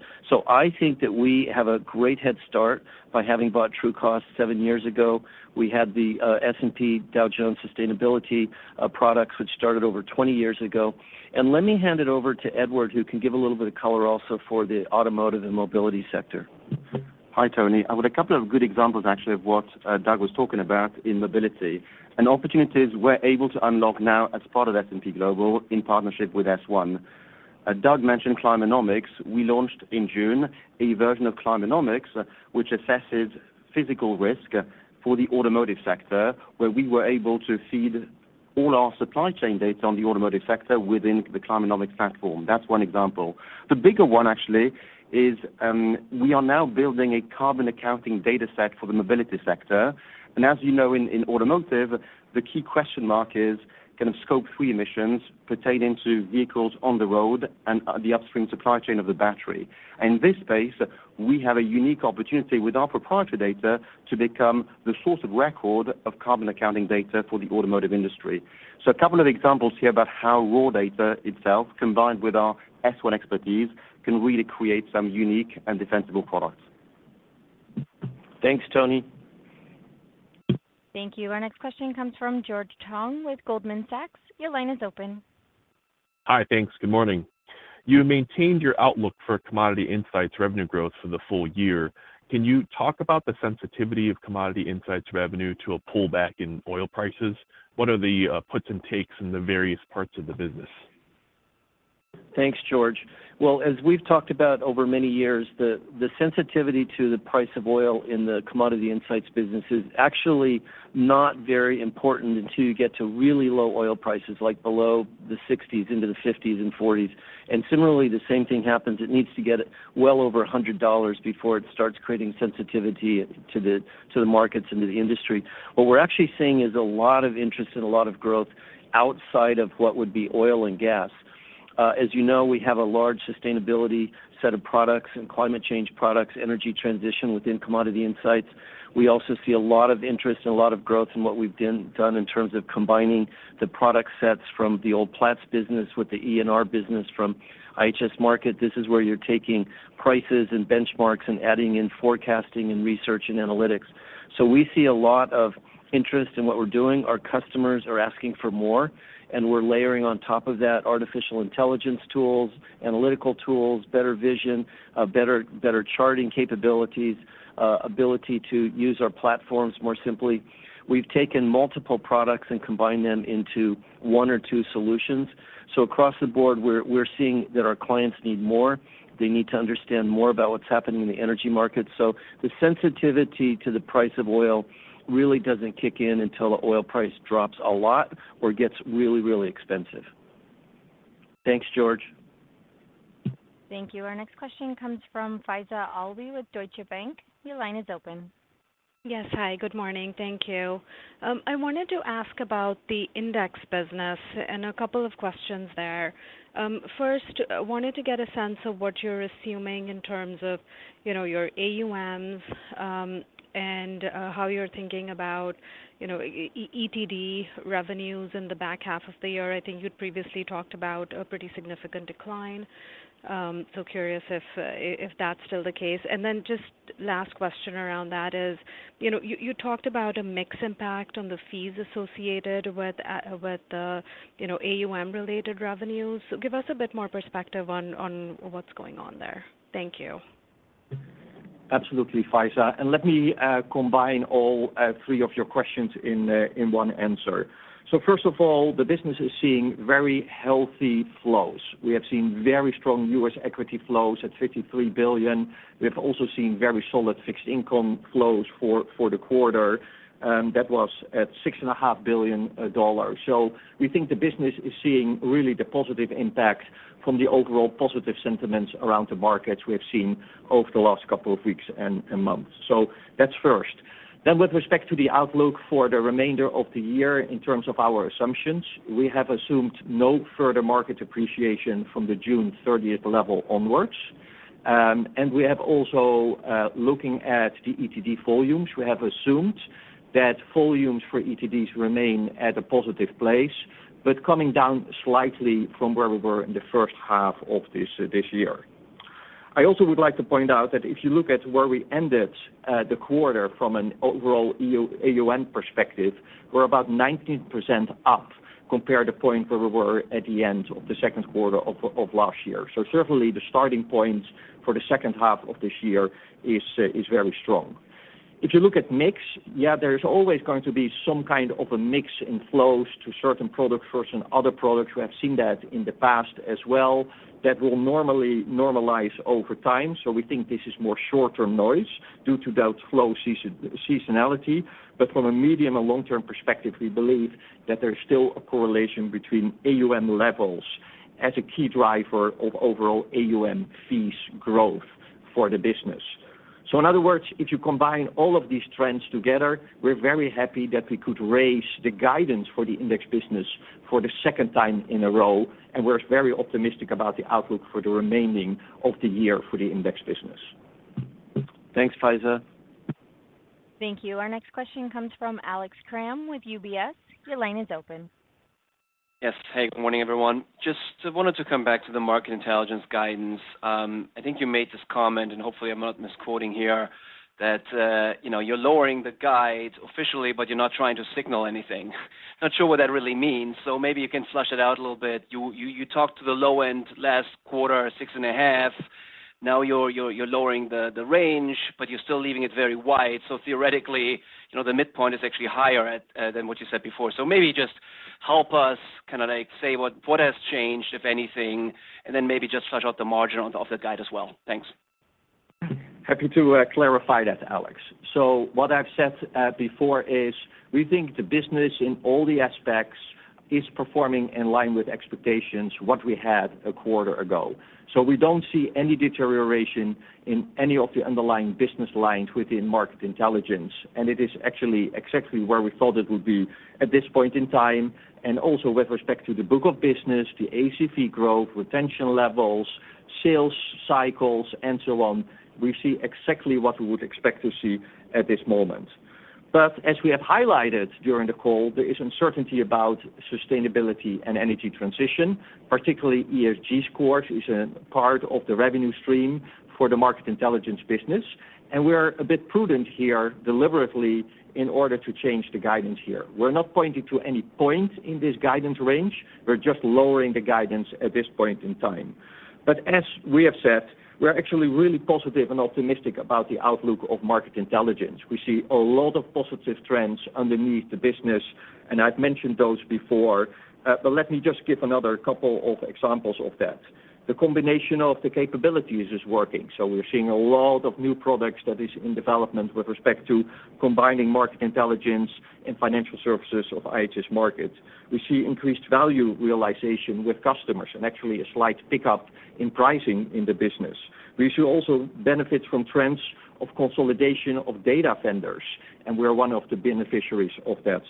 I think that we have a great head start by having bought Trucost seven years ago. We had the S&P Dow Jones Sustainability products, which started over 20 years ago. Let me hand it over to Edouard, who can give a little bit of color also for the automotive and mobility sector. Hi, Toni. I've got a couple of good examples, actually, of what Doug was talking about in mobility, and opportunities we're able to unlock now as part of S&P Global, in partnership with S-One. Doug mentioned Climanomics. We launched in June a version of Climanomics, which assesses physical risk for the automotive sector, where we were able to feed all our supply chain data on the automotive sector within the Climanomics platform. That's one example. The bigger one actually is, we are now building a carbon accounting data set for the mobility sector. As you know, in, in automotive, the key question mark is kind of scope three emissions pertaining to vehicles on the road and the upstream supply chain of the battery. In this space, we have a unique opportunity with our proprietary data to become the source of record of carbon accounting data for the automotive industry. A couple of examples here about how raw data itself, combined with our S-One expertise, can really create some unique and defensible products. Thanks, Tony. Thank you. Our next question comes from George Tong with Goldman Sachs. Your line is open. Hi. Thanks. Good morning. You maintained your outlook for Commodity Insights revenue growth for the full year. Can you talk about the sensitivity of Commodity Insights revenue to a pullback in oil prices? What are the puts and takes in the various parts of the business? Thanks, George. Well, as we've talked about over many years, the, the sensitivity to the price of oil in the Commodity Insights business is actually not very important until you get to really low oil prices, like below the 60s, into the 50s and 40s. Similarly, the same thing happens. It needs to get well over $100 before it starts creating sensitivity to the, to the markets and to the industry. What we're actually seeing is a lot of interest and a lot of growth outside of what would be oil and gas. As you know, we have a large sustainability set of products and climate change products, energy transition within Commodity Insights. We also see a lot of interest and a lot of growth in what we've done in terms of combining the product sets from the old Platts business with the ENR business from IHS Markit. This is where you're taking prices and benchmarks and adding in forecasting and research and analytics. We see a lot of interest in what we're doing. Our customers are asking for more, and we're layering on top of that, artificial intelligence tools, analytical tools, better vision, better charting capabilities, ability to use our platforms more simply. We've taken multiple products and combined them into one or two solutions. Across the board, we're seeing that our clients need more. They need to understand more about what's happening in the energy market. The sensitivity to the price of oil really doesn't kick in until the oil price drops a lot or gets really, really expensive. Thanks, George. Thank you. Our next question comes from Faiza Alwy with Deutsche Bank. Your line is open. Yes. Hi, good morning. Thank you. I wanted to ask about the index business, and a couple of questions there. First, I wanted to get a sense of what you're assuming in terms of, you know, your AUMs, and how you're thinking about, you know, ETD revenues in the back half of the year. I think you'd previously talked about a pretty significant decline. So curious if that's still the case. Then just last question around that is, you know, you talked about a mix impact on the fees associated with, with the, you know, AUM-related revenues. Give us a bit more perspective on, on what's going on there. Thank you. Absolutely, Faiza. Let me combine all three of your questions in one answer. First of all, the business is seeing very healthy flows. We have seen very strong U.S. equity flows at $53 billion. We have also seen very solid fixed income flows for the quarter, that was at $6.5 billion. We think the business is seeing really the positive impact from the overall positive sentiments around the markets we have seen over the last couple of weeks and months. That's first. With respect to the outlook for the remainder of the year, in terms of our assumptions, we have assumed no further market appreciation from the June 30th level onwards. We have also, looking at the ETD volumes, we have assumed that volumes for ETDs remain at a positive place, but coming down slightly from where we were in the first half of this year. I also would like to point out that if you look at where we ended the quarter from an overall AUM perspective, we're about 19% up compared to point where we were at the end of the second quarter of last year. Certainly, the starting point for the second half of this year is very strong. If you look at mix, there's always going to be some kind of a mix in flows to certain products versus other products. We have seen that in the past as well. That will normally normalize over time. We think this is more short-term noise due to the flow seasonality, from a medium and long-term perspective, we believe that there's still a correlation between AUM levels as a key driver of overall AUM fees growth for the business. In other words, if you combine all of these trends together, we're very happy that we could raise the guidance for the index business for the second time in a row, and we're very optimistic about the outlook for the remaining of the year for the index business. Thanks, Faiza. Thank you. Our next question comes from Alex Kramm with UBS. Your line is open. Yes. Hey, good morning, everyone. Just wanted to come back to the market intelligence guidance. I think you made this comment, and hopefully I'm not misquoting here, that, you know, you're lowering the guide officially, but you're not trying to signal anything. Not sure what that really means, so maybe you can flush it out a little bit. You talked to the low end last quarter, 6.5. Now you're lowering the range, but you're still leaving it very wide. Theoretically, you know, the midpoint is actually higher than what you said before. Maybe just help us kind of, like, say what has changed, if anything, and then maybe just flush out the margin of the guide as well. Thanks. Happy to clarify that, Alex. What I've said before is, we think the business in all the aspects is performing in line with expectations, what we had a quarter ago. We don't see any deterioration in any of the underlying business lines within Market Intelligence, and it is actually exactly where we thought it would be at this point in time. With respect to the book of business, the ACP growth, retention levels, sales cycles, and so on, we see exactly what we would expect to see at this moment. As we have highlighted during the call, there is uncertainty about sustainability and energy transition. Particularly, ESG scores is a part of the revenue stream for the Market Intelligence business, and we are a bit prudent here, deliberately, in order to change the guidance here. We're not pointing to any point in this guidance range. We're just lowering the guidance at this point in time. As we have said, we're actually really positive and optimistic about the outlook of market intelligence. We see a lot of positive trends underneath the business, and I've mentioned those before. Let me just give another couple of examples of that. The combination of the capabilities is working, we're seeing a lot of new products that is in development with respect to combining market intelligence and financial services of IHS Markit. We see increased value realization with customers and actually a slight pickup in pricing in the business. We should also benefit from trends of consolidation of data vendors, and we're one of the beneficiaries of that.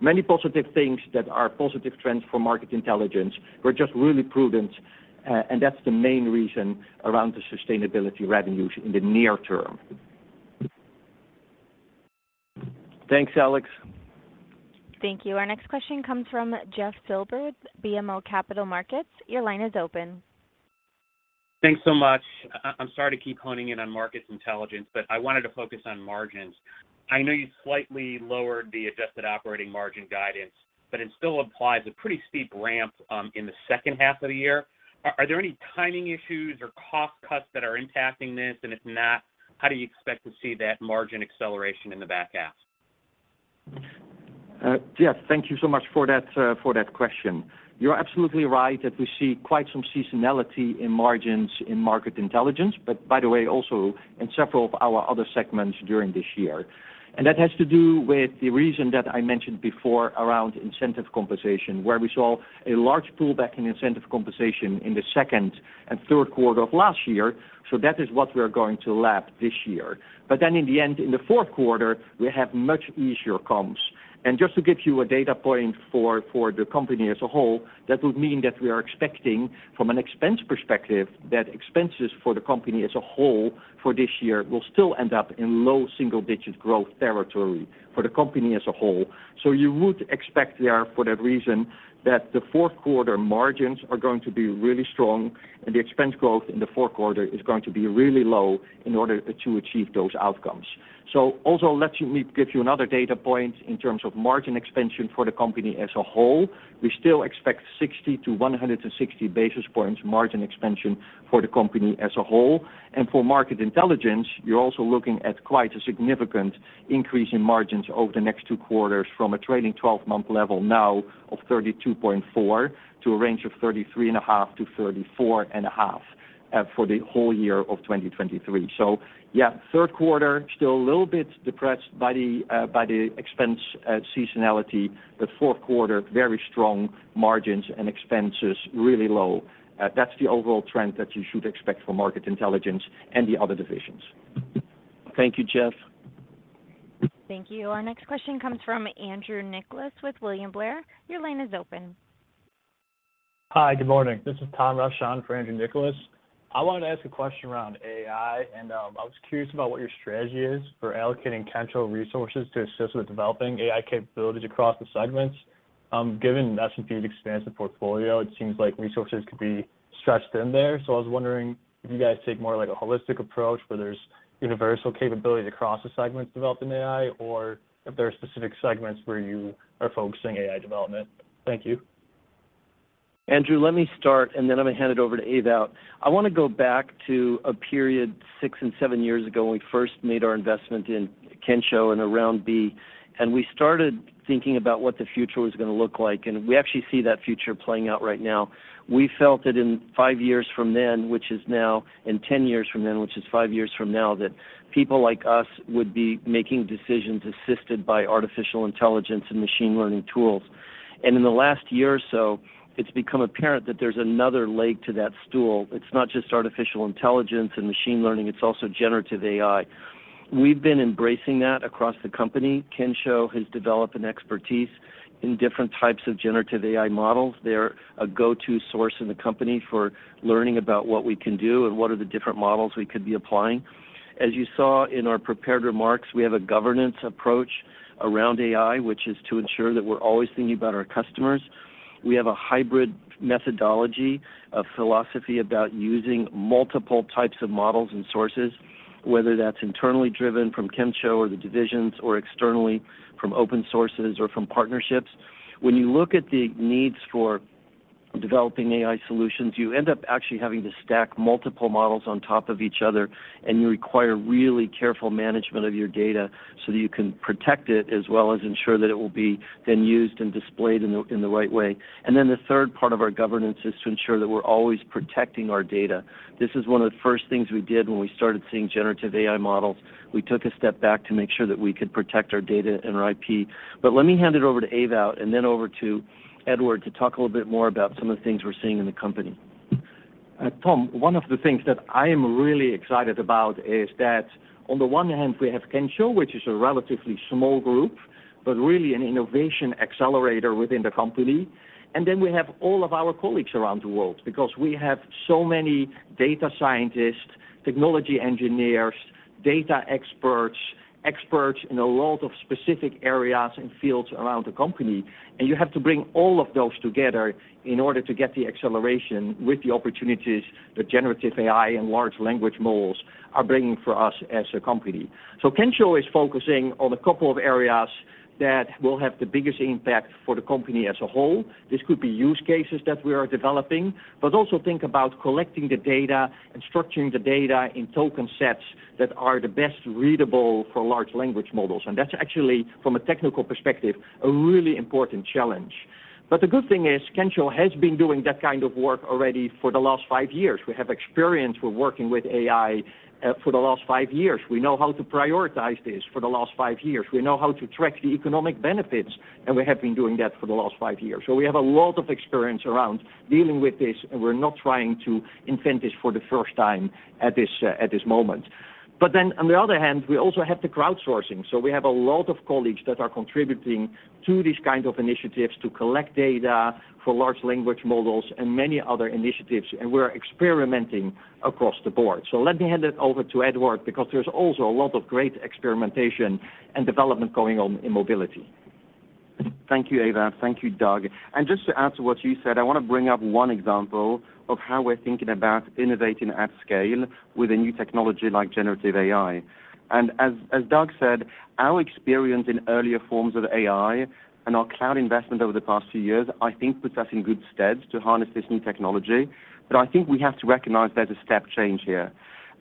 Many positive things that are positive trends for market intelligence. We're just really prudent, and that's the main reason around the sustainability revenues in the near term. Thanks, Alex. Thank you. Our next question comes from Jeff Silber, BMO Capital Markets. Your line is open. Thanks so much. I'm sorry to keep honing in on markets intelligence, but I wanted to focus on margins. I know you slightly lowered the adjusted operating margin guidance, but it still applies a pretty steep ramp in the second half of the year. Are there any timing issues or cost cuts that are impacting this? If not, how do you expect to see that margin acceleration in the back half? Jeff, thank you so much for that, for that question. You're absolutely right that we see quite some seasonality in margins in market intelligence, also in several of our other segments during this year. That has to do with the reason that I mentioned before around incentive compensation, where we saw a large pullback in incentive compensation in the second and third quarter of last year. That is what we are going to lap this year. In the end, in the fourth quarter, we have much easier comps. Just to give you a data point for, for the company as a whole, that would mean that we are expecting, from an expense perspective, that expenses for the company as a whole for this year will still end up in low single-digit growth territory for the company as a whole. You would expect there, for that reason, that the fourth quarter margins are going to be really strong, and the expense growth in the fourth quarter is going to be really low in order to achieve those outcomes. Also, let me give you another data point in terms of margin expansion for the company as a whole. We still expect 60 to 160 basis points margin expansion for the company as a whole. For market intelligence, you're also looking at quite a significant increase in margins over the next two quarters from a trailing twelve-month level now of 32.4, to a range of 33.5-34.5 for the whole year of 2023. Yeah, third quarter, still a little bit depressed by the expense, seasonality, but fourth quarter, very strong margins and expenses, really low. That's the overall trend that you should expect for Market Intelligence and the other divisions. Thank you, Jeff. Thank you. Our next question comes from Andrew Nicholas with William Blair. Your line is open. Hi, good morning. This is Tom Roesch for Andrew Nicholas. I wanted to ask a question around AI. I was curious about what your strategy is for allocating Kensho resources to assist with developing AI capabilities across the segments. Given S&P's expansive portfolio, it seems like resources could be stretched thin there. I was wondering if you guys take more of, like, a holistic approach, where there's universal capabilities across the segments developed in AI, or if there are specific segments where you are focusing AI development. Thank you. Andrew, let me start. I'm going to hand it over to Ewout. I want to go back to a period 6 and 7 years ago, when we first made our investment in Kensho in a round B. We started thinking about what the future was going to look like. We actually see that future playing out right now. We felt that in 5 years from then, which is now, 10 years from then, which is 5 years from now, that people like us would be making decisions assisted by artificial intelligence and machine learning tools. In the last year or so, it's become apparent that there's another leg to that stool. It's not just artificial intelligence and machine learning, it's also Generative AI. We've been embracing that across the company. Kensho has developed an expertise in different types of Generative AI models. They're a go-to source in the company for learning about what we can do and what are the different models we could be applying. As you saw in our prepared remarks, we have a governance approach around AI, which is to ensure that we're always thinking about our customers. We have a hybrid methodology of philosophy about using multiple types of models and sources, whether that's internally driven from Kensho or the divisions, or externally from open sources or from partnerships. When you look at the needs for developing AI solutions, you end up actually having to stack multiple models on top of each other, and you require really careful management of your data so that you can protect it, as well as ensure that it will be then used and displayed in the right way. The third part of our governance is to ensure that we're always protecting our data. This is one of the first things we did when we started seeing Generative AI models. We took a step back to make sure that we could protect our data and our IP. Let me hand it over to Ewout, and then over to Edouard, to talk a little bit more about some of the things we're seeing in the company. Tom, one of the things that I am really excited about is that on the one hand, we have Kensho, which is a relatively small group, but really an innovation accelerator within the company. We have all of our colleagues around the world, because we have so many data scientists, technology engineers, data experts, experts in a lot of specific areas and fields around the company. You have to bring all of those together in order to get the acceleration with the opportunities that Generative AI and large language models are bringing for us as a company. Kensho is focusing on a couple of areas that will have the biggest impact for the company as a whole. This could be use cases that we are developing, also think about collecting the data and structuring the data in token sets that are the best readable for large language models. That's actually, from a technical perspective, a really important challenge. The good thing is, Kensho has been doing that kind of work already for the last five years. We have experience with working with AI for the last five years. We know how to prioritize this for the last five years. We know how to track the economic benefits, we have been doing that for the last five years. We have a lot of experience around dealing with this, and we're not trying to invent this for the first time at this moment. On the other hand, we also have the crowdsourcing. We have a lot of colleagues that are contributing to these kind of initiatives to collect data for large language models and many other initiatives, and we're experimenting across the board. Let me hand it over to Edouard, because there's also a lot of great experimentation and development going on in Mobility. Thank you, Ewout. Thank you, Doug. Just to add to what you said, I want to bring up one example of how we're thinking about innovating at scale with a new technology like Generative AI. As Doug said, our experience in earlier forms of AI and our cloud investment over the past few years, I think, puts us in good stead to harness this new technology. I think we have to recognize there's a step change here.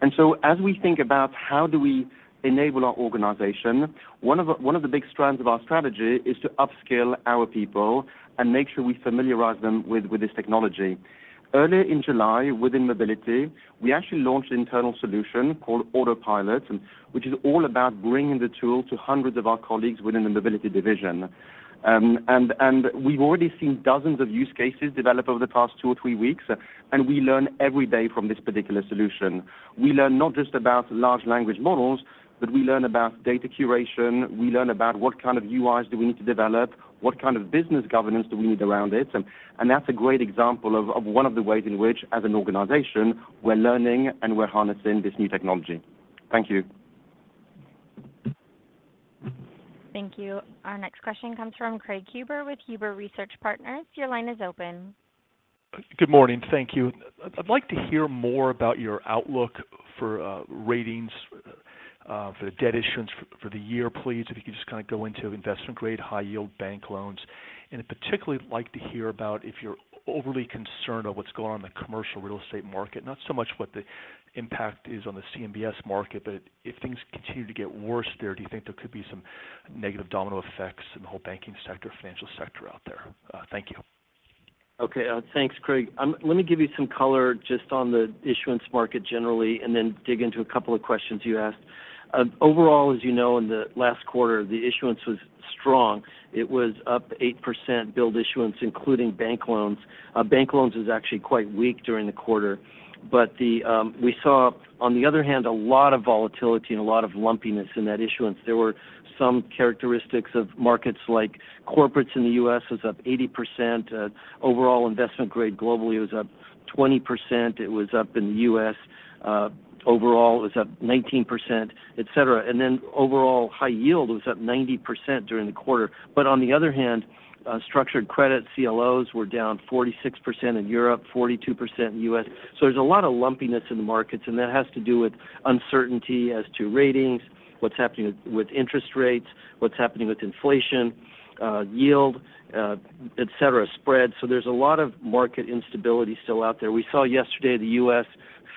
As we think about how do we enable our organization, one of the big strands of our strategy is to upskill our people and make sure we familiarize them with this technology. Earlier in July, within Mobility, we actually launched an internal solution called Autopilot, and which is all about bringing the tool to hundreds of our colleagues within the Mobility division. We've already seen dozens of use cases develop over the past 2 or 3 weeks, and we learn every day from this particular solution. We learn not just about large language models, but we learn about data curation, we learn about what kind of UIs do we need to develop, what kind of business governance do we need around it. That's a great example of one of the ways in which, as an organization, we're learning and we're harnessing this new technology. Thank you. Thank you. Our next question comes from Craig Huber with Huber Research Partners. Your line is open. Good morning. Thank you. I'd like to hear more about your outlook for, ratings, for the debt issuance for the year, please, if you could just kind of go into investment grade, high yield bank loans. I'd particularly like to hear about if you're overly concerned of what's going on in the commercial real estate market. Not so much what the impact is on the CMBS market, but if things continue to get worse there, do you think there could be some negative domino effects in the whole banking sector, financial sector out there? Thank you. Okay. Thanks, Craig Huber. Let me give you some color just on the issuance market generally, dig into a couple of questions you asked. Overall, as you know, in the last quarter, the issuance was strong. It was up 8%, build issuance, including bank loans. Bank loans was actually quite weak during the quarter. The, we saw, on the other hand, a lot of volatility and a lot of lumpiness in that issuance. There were some characteristics of markets, like corporates in the US was up 80%, overall investment grade globally was up 20%. It was up in the US, overall, it was up 19%, et cetera. Overall high yield was up 90% during the quarter. On the other hand, structured credit CLOs were down 46% in Europe, 42% in the U.S. There's a lot of lumpiness in the markets, and that has to do with uncertainty as to ratings, what's happening with interest rates, what's happening with inflation, yield, et cetera, spread. There's a lot of market instability still out there. We saw yesterday, the US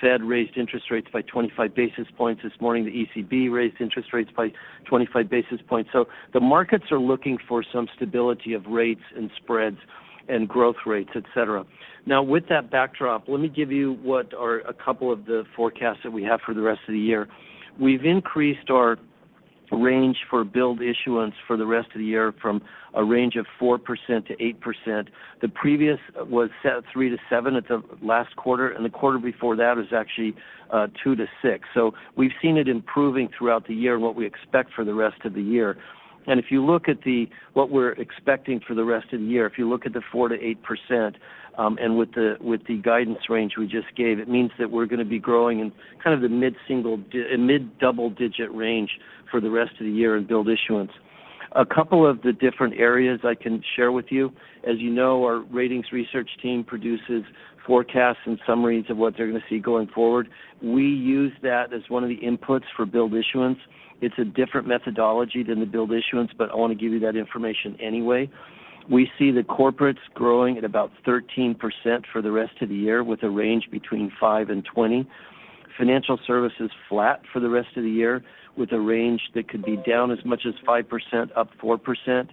Fed raised interest rates by 25 basis points. This morning, the ECB raised interest rates by 25 basis points. The markets are looking for some stability of rates and spreads and growth rates, et cetera. Now, with that backdrop, let me give you what are a couple of the forecasts that we have for the rest of the year. We've increased our range for build issuance for the rest of the year from a range of 4%-8%. The previous was set at 3%-7% at the last quarter, the quarter before that was actually 2%-6%. So we've seen it improving throughout the year and what we expect for the rest of the year. If you look at the, what we're expecting for the rest of the year, if you look at the 4%-8%, and with the guidance range we just gave, it means that we're going to be growing in kind of the mid-double-digit range for the rest of the year in build issuance. A couple of the different areas I can share with you. As you know, our ratings research team produces forecasts and summaries of what they're going to see going forward. We use that as one of the inputs for build issuance. It's a different methodology than the build issuance, but I want to give you that information anyway. We see the corporates growing at about 13% for the rest of the year, with a range between 5% and 20%. Financial services, flat for the rest of the year, with a range that could be down as much as 5%, up 4%.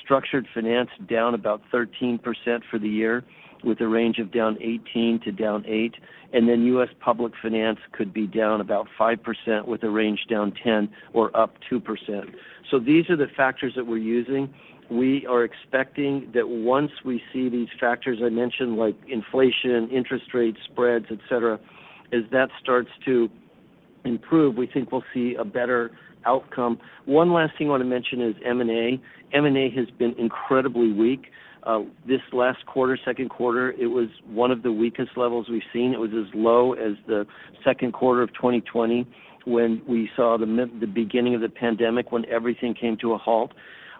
Structured finance, down about 13% for the year, with a range of down 18% to down 8%. US public finance could be down about 5%, with a range down 10% or up 2%. These are the factors that we're using. We are expecting that once we see these factors I mentioned, like inflation, interest rates, spreads, et cetera, as that starts to improve, we think we'll see a better outcome. One last thing I want to mention is M&A. M&A has been incredibly weak. This last quarter, second quarter, it was one of the weakest levels we've seen. It was as low as the second quarter of 2020 when we saw the beginning of the pandemic, when everything came to a halt.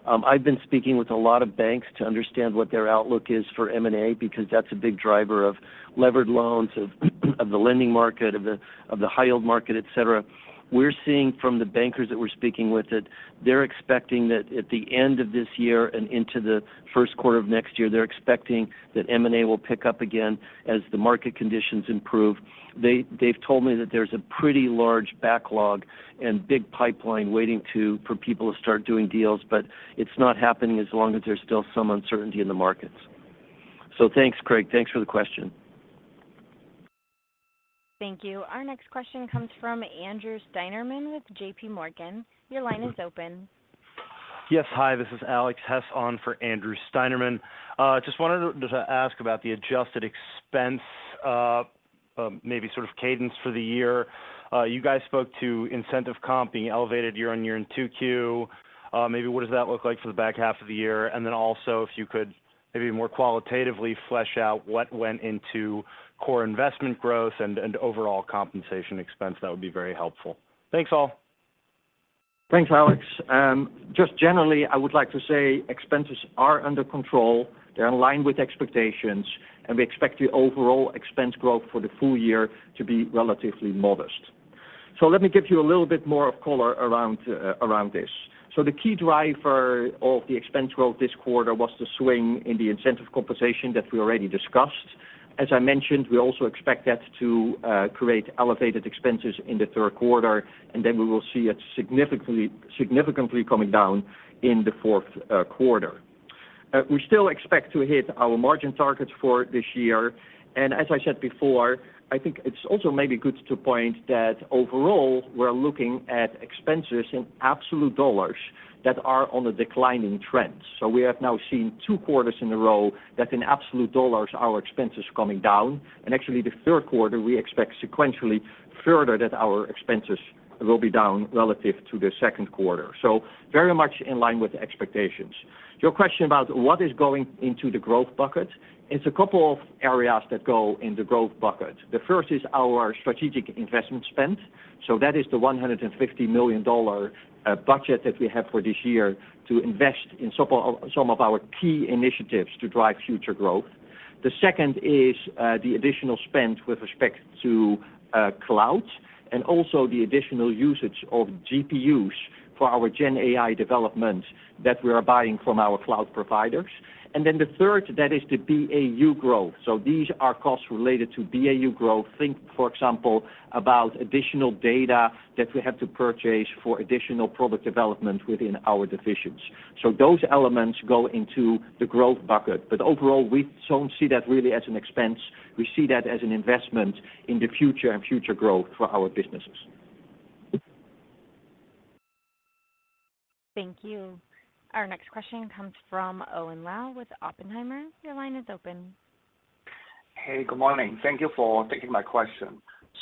I've been speaking with a lot of banks to understand what their outlook is for M&A, because that's a big driver of levered loans, of the lending market, of the high-yield market, et cetera. We're seeing from the bankers that we're speaking with, that they're expecting that at the end of this year and into the first quarter of next year, they're expecting that M&A will pick up again as the market conditions improve. They, they've told me that there's a pretty large backlog and big pipeline waiting to, for people to start doing deals, but it's not happening as long as there's still some uncertainty in the markets. Thanks, Craig. Thanks for the question. Thank you. Our next question comes from Andrew Steinerman with JPMorgan. Your line is open. Yes, hi, this is Alex Hess on for Andrew Steinerman. Just wanted to ask about the adjusted expense, maybe sort of cadence for the year. You guys spoke to incentive comp being elevated year-on-year in 2Q. Maybe what does that look like for the back half of the year? Also, if you could maybe more qualitatively flesh out what went into core investment growth and overall compensation expense, that would be very helpful. Thanks, all. Thanks, Alex. Just generally, I would like to say expenses are under control. They're in line with expectations. We expect the overall expense growth for the full year to be relatively modest. Let me give you a little bit more of color around around this. The key driver of the expense growth this quarter was the swing in the incentive compensation that we already discussed. As I mentioned, we also expect that to create elevated expenses in the third quarter. We will see it significantly coming down in the fourth quarter. We still expect to hit our margin targets for this year. As I said before, I think it's also maybe good to point that overall, we're looking at expenses in absolute dollars that are on a declining trend. We have now seen two quarters in a row that in absolute dollars, our expenses coming down, and actually the third quarter, we expect sequentially further that our expenses will be down relative to the second quarter. Very much in line with expectations. To your question about what is going into the growth bucket, it's a couple of areas that go in the growth bucket. The first is our strategic investment spend. That is the $150 million budget that we have for this year to invest in some of our key initiatives to drive future growth. The second is the additional spend with respect to cloud, and also the additional usage of GPUs for our Generative AI development that we are buying from our cloud providers. Then the third, that is the BAU growth. These are costs related to BAU growth. Think, for example, about additional data that we have to purchase for additional product development within our divisions. Those elements go into the growth bucket, but overall, we don't see that really as an expense. We see that as an investment in the future and future growth for our businesses. Thank you. Our next question comes from Owen Lau with Oppenheimer. Your line is open. Hey, good morning. Thank you for taking my question.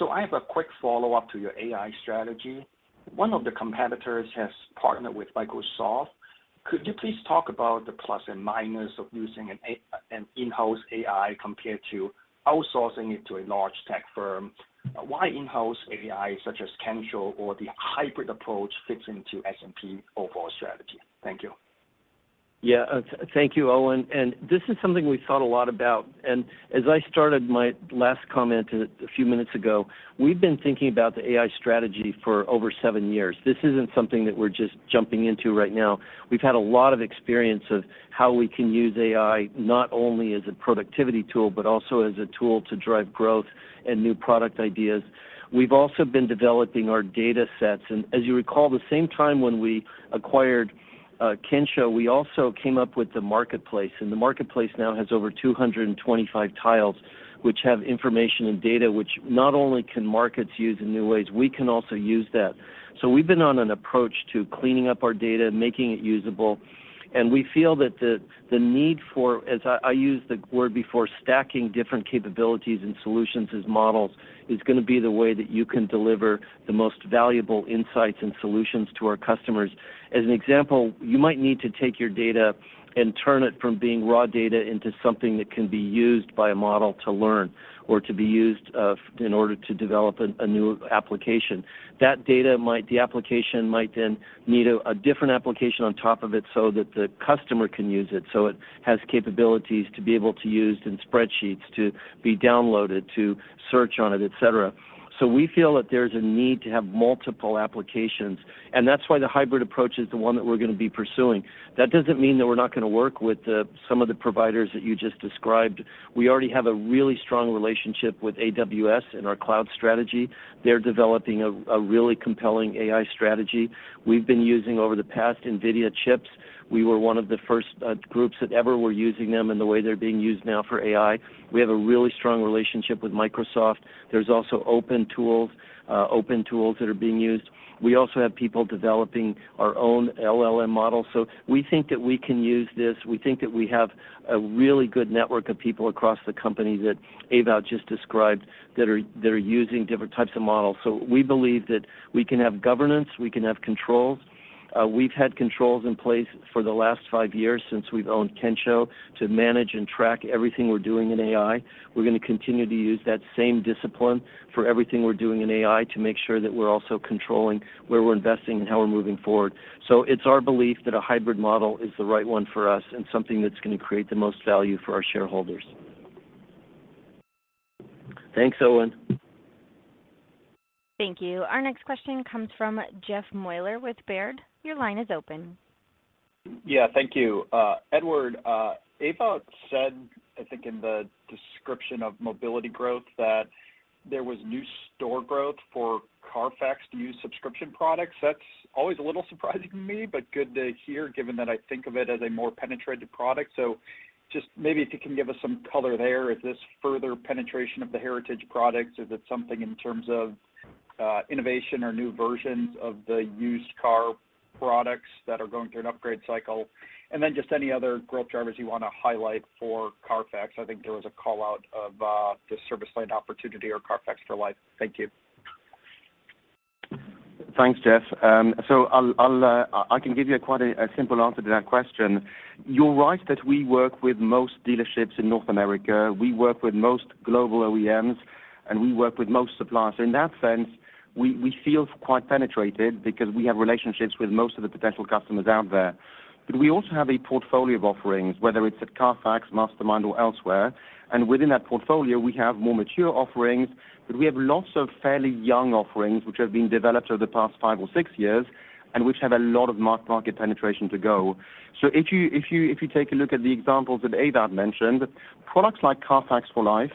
I have a quick follow-up to your AI strategy. One of the competitors has partnered with Microsoft. Could you please talk about the plus and minus of using an in-house AI compared to outsourcing it to a large tech firm? Why in-house AI, such as Kensho or the hybrid approach, fits into S&P overall strategy? Thank you. Yeah, thank you, Owen, this is something we've thought a lot about. As I started my last comment a few minutes ago, we've been thinking about the AI strategy for over seven years. This isn't something that we're just jumping into right now. We've had a lot of experience of how we can use AI, not only as a productivity tool, but also as a tool to drive growth and new product ideas. We've also been developing our data sets, as you recall, the same time when we acquired Kensho, we also came up with the marketplace, the marketplace now has over 225 tiles, which have information and data which not only can markets use in new ways, we can also use that. We've been on an approach to cleaning up our data and making it usable, and we feel that the, the need for, as I, I used the word before, stacking different capabilities and solutions as models, is going to be the way that you can deliver the most valuable insights and solutions to our customers. As an example, you might need to take your data and turn it from being raw data into something that can be used by a model to learn or to be used, in order to develop a new application. The application might then need a different application on top of it so that the customer can use it, so it has capabilities to be able to use in spreadsheets, to be downloaded, to search on it, et cetera. We feel that there's a need to have multiple applications, and that's why the hybrid approach is the one that we're going to be pursuing. That doesn't mean that we're not going to work with some of the providers that you just described. We already have a really strong relationship with AWS and our cloud strategy. They're developing a really compelling AI strategy. We've been using, over the past, NVIDIA chips. We were one of the first groups that ever were using them in the way they're being used now for AI. We have a really strong relationship with Microsoft. There's also open tools that are being used. We also have people developing our own LLM model. We think that we can use this. We think that we have a really good network of people across the company that Ewout just described, that are using different types of models. We believe that we can have governance, we can have controls. We've had controls in place for the last five years since we've owned Kensho, to manage and track everything we're doing in AI. We're going to continue to use that same discipline for everything we're doing in AI, to make sure that we're also controlling where we're investing and how we're moving forward. It's our belief that a hybrid model is the right one for us and something that's going to create the most value for our shareholders. Thanks, Owen. Thank you. Our next question comes from Jeffrey Meuler with Baird. Your line is open. Yeah, thank you. Edouard, Ewout said, I think in the description of mobility growth, that there was new store growth for CARFAX to use subscription products. That's always a little surprising to me, but good to hear, given that I think of it as a more penetrated product. Just maybe if you can give us some color there. Is this further penetration of the heritage products, or is it something in terms of innovation or new versions of the used car products that are going through an upgrade cycle? Just any other growth drivers you want to highlight for CARFAX. I think there was a call-out of the service line opportunity or CARFAX for Life. Thank you. Thanks, Jeff. I'll give you a quite a simple answer to that question. You're right that we work with most dealerships in North America. We work with most global OEMs, and we work with most suppliers. In that sense, we feel quite penetrated because we have relationships with most of the potential customers out there. We also have a portfolio of offerings, whether it's at CARFAX, Mastermind, or elsewhere, and within that portfolio, we have more mature offerings, but we have lots of fairly young offerings, which have been developed over the past five or six years and which have a lot of market penetration to go. If you take a look at the examples that Ewout mentioned, products like CARFAX for Life,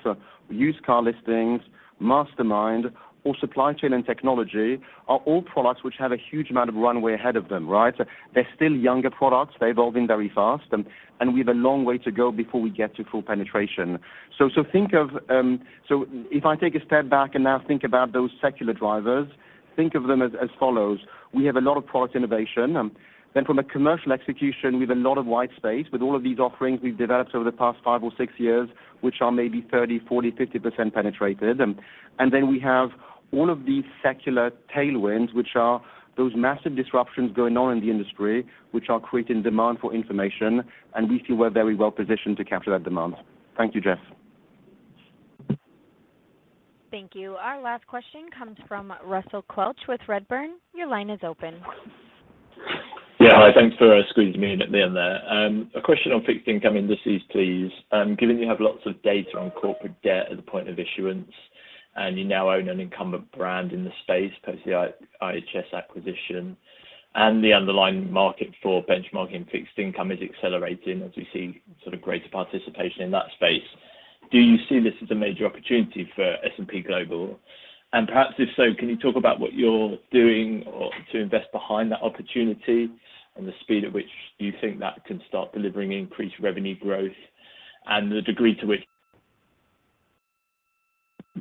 Used Car Listings, Mastermind, or Supply Chain and Technology are all products which have a huge amount of runway ahead of them, right? They're still younger products. They're evolving very fast, and we have a long way to go before we get to full penetration. Think of. If I take a step back and now think about those secular drivers, think of them as follows: We have a lot of product innovation, then from a commercial execution, we have a lot of white space. With all of these offerings we've developed over the past five or six years, which are maybe 30%, 40%, 50% penetrated. We have all of these secular tailwinds, which are those massive disruptions going on in the industry, which are creating demand for information, and we feel we're very well positioned to capture that demand. Thank you, Jeff. Thank you. Our last question comes from Russell Quelch with Redburn. Your line is open. Hi, thanks for squeezing me in at the end there. A question on fixed income indices, please. Given you have lots of data on corporate debt at the point of issuance, and you now own an incumbent brand in the space, post the IHS acquisition, and the underlying market for benchmarking fixed income is accelerating as we see sort of greater participation in that space, do you see this as a major opportunity for S&P Global? Perhaps, if so, can you talk about what you're doing or to invest behind that opportunity and the speed at which you think that can start delivering increased revenue growth and the degree to which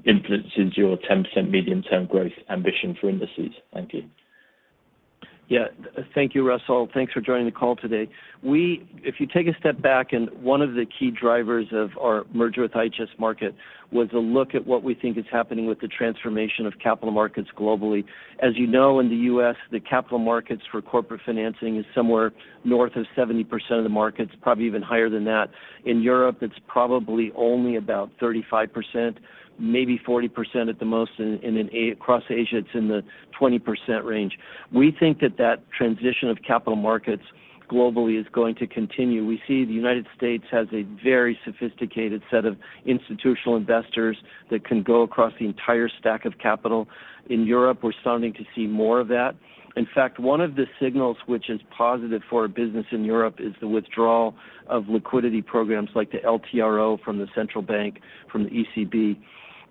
influences your 10% medium-term growth ambition for indices? Thank you. Yeah. Thank you, Russell. Thanks for joining the call today. If you take a step back, one of the key drivers of our merger with IHS Markit was a look at what we think is happening with the transformation of capital markets globally. As you know, in the U.S., the capital markets for corporate financing is somewhere north of 70% of the markets, probably even higher than that. In Europe, it's probably only about 35%, maybe 40% at the most. Across Asia, it's in the 20% range. We think that transition of capital markets globally is going to continue. We see the United States has a very sophisticated set of institutional investors that can go across the entire stack of capital. In Europe, we're starting to see more of that. In fact, one of the signals which is positive for our business in Europe is the withdrawal of liquidity programs like the LTRO from the central bank, from the ECB.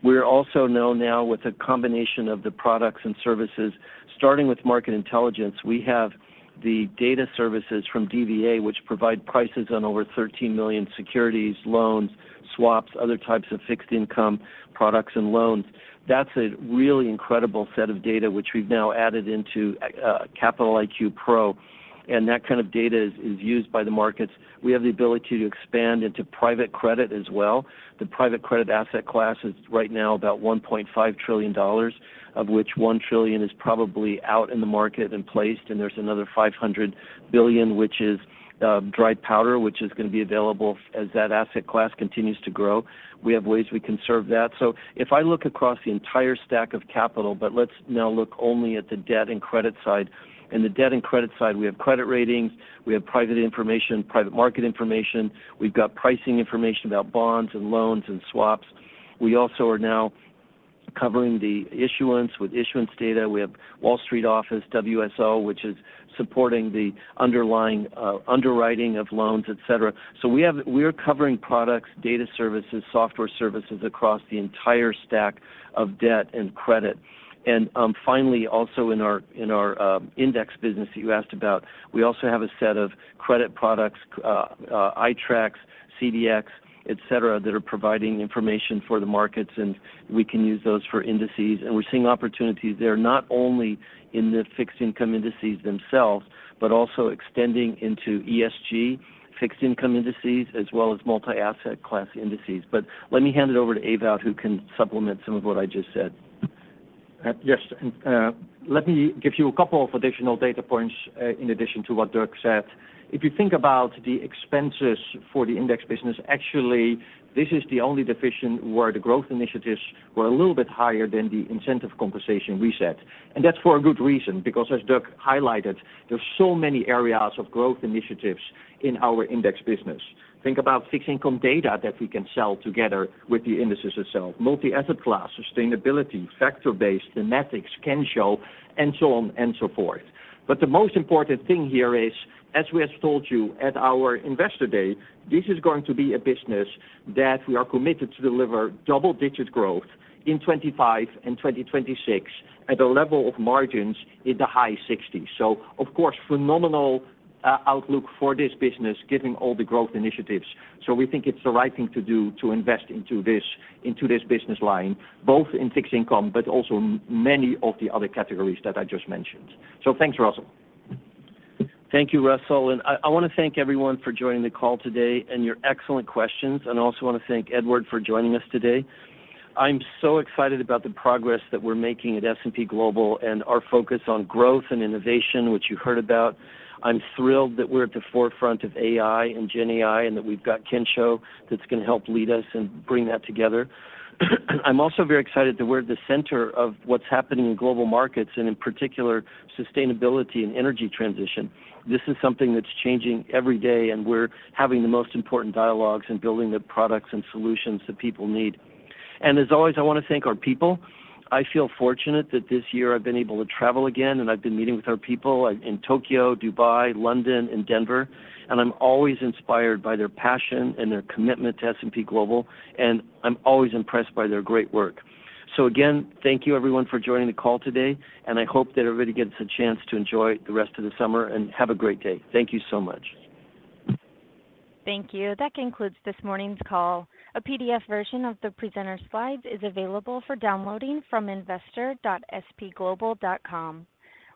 We're also known now with a combination of the products and services. Starting with market intelligence, we have the data services from DVA, which provide prices on over $13 million securities, loans, swaps, other types of fixed income products and loans. That's a really incredible set of data, which we've now added into Capital IQ Pro, and that kind of data is used by the markets. We have the ability to expand into private credit as well. The private credit asset class is right now about $1.5 trillion, of which $1 trillion is probably out in the market and placed, and there's another $500 billion, which is dry powder, which is going to be available as that asset class continues to grow. We have ways we can serve that. If I look across the entire stack of capital, let's now look only at the debt and credit side. In the debt and credit side, we have credit ratings, we have private information, private market information, we've got pricing information about bonds and loans and swaps. We also are now covering the issuance with issuance data. We have Wall Street Office, WSO, which is supporting the underlying underwriting of loans, et cetera. We are covering products, data services, software services across the entire stack of debt and credit. Finally, also in our index business that you asked about, we also have a set of credit products, iTraxx, CDX, et cetera, that are providing information for the markets, and we can use those for indices. We're seeing opportunities there, not only in the fixed income indices themselves, but also extending into ESG fixed income indices, as well as multi-asset class indices. Let me hand it over to Ewout, who can supplement some of what I just said. Yes, and let me give you a couple of additional data points, in addition to what Doug said. If you think about the expenses for the index business, actually, this is the only division where the growth initiatives were a little bit higher than the incentive compensation we set. That's for a good reason, because as Doug highlighted, there's so many areas of growth initiatives in our index business. Think about fixed income data that we can sell together with the indices itself, multi-asset class, sustainability, factor-based, thematics, Kensho, and so on and so forth. The most important thing here is, as we have told you at our Investor Day, this is going to be a business that we are committed to deliver double-digit growth in 2025 and 2026 at a level of margins in the high 60s. Of course, phenomenal outlook for this business, given all the growth initiatives. We think it's the right thing to do to invest into this, into this business line, both in fixed income, but also many of the other categories that I just mentioned. Thanks, Russell. Thank you, Russell. I want to thank everyone for joining the call today and your excellent questions. I also want to thank Edouard for joining us today. I'm so excited about the progress that we're making at S&P Global and our focus on growth and innovation, which you heard about. I'm thrilled that we're at the forefront of AI and GenAI, that we've got Kensho that's going to help lead us and bring that together. I'm also very excited that we're at the center of what's happening in global markets, and in particular, sustainability and energy transition. This is something that's changing every day. We're having the most important dialogues and building the products and solutions that people need. As always, I want to thank our people. I feel fortunate that this year I've been able to travel again, and I've been meeting with our people in Tokyo, Dubai, London, and Denver, and I'm always inspired by their passion and their commitment to S&P Global, and I'm always impressed by their great work. Again, thank you everyone for joining the call today, and I hope that everybody gets a chance to enjoy the rest of the summer, and have a great day. Thank you so much. Thank you. That concludes this morning's call. A PDF version of the presenter's slides is available for downloading from investor.spglobal.com.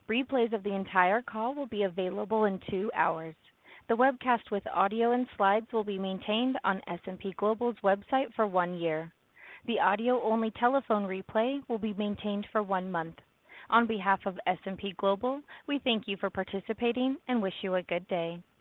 Replays of the entire call will be available in 2 hours. The webcast with audio and slides will be maintained on S&P Global's website for 1 year. The audio-only telephone replay will be maintained for 1 month. On behalf of S&P Global, we thank you for participating and wish you a good day.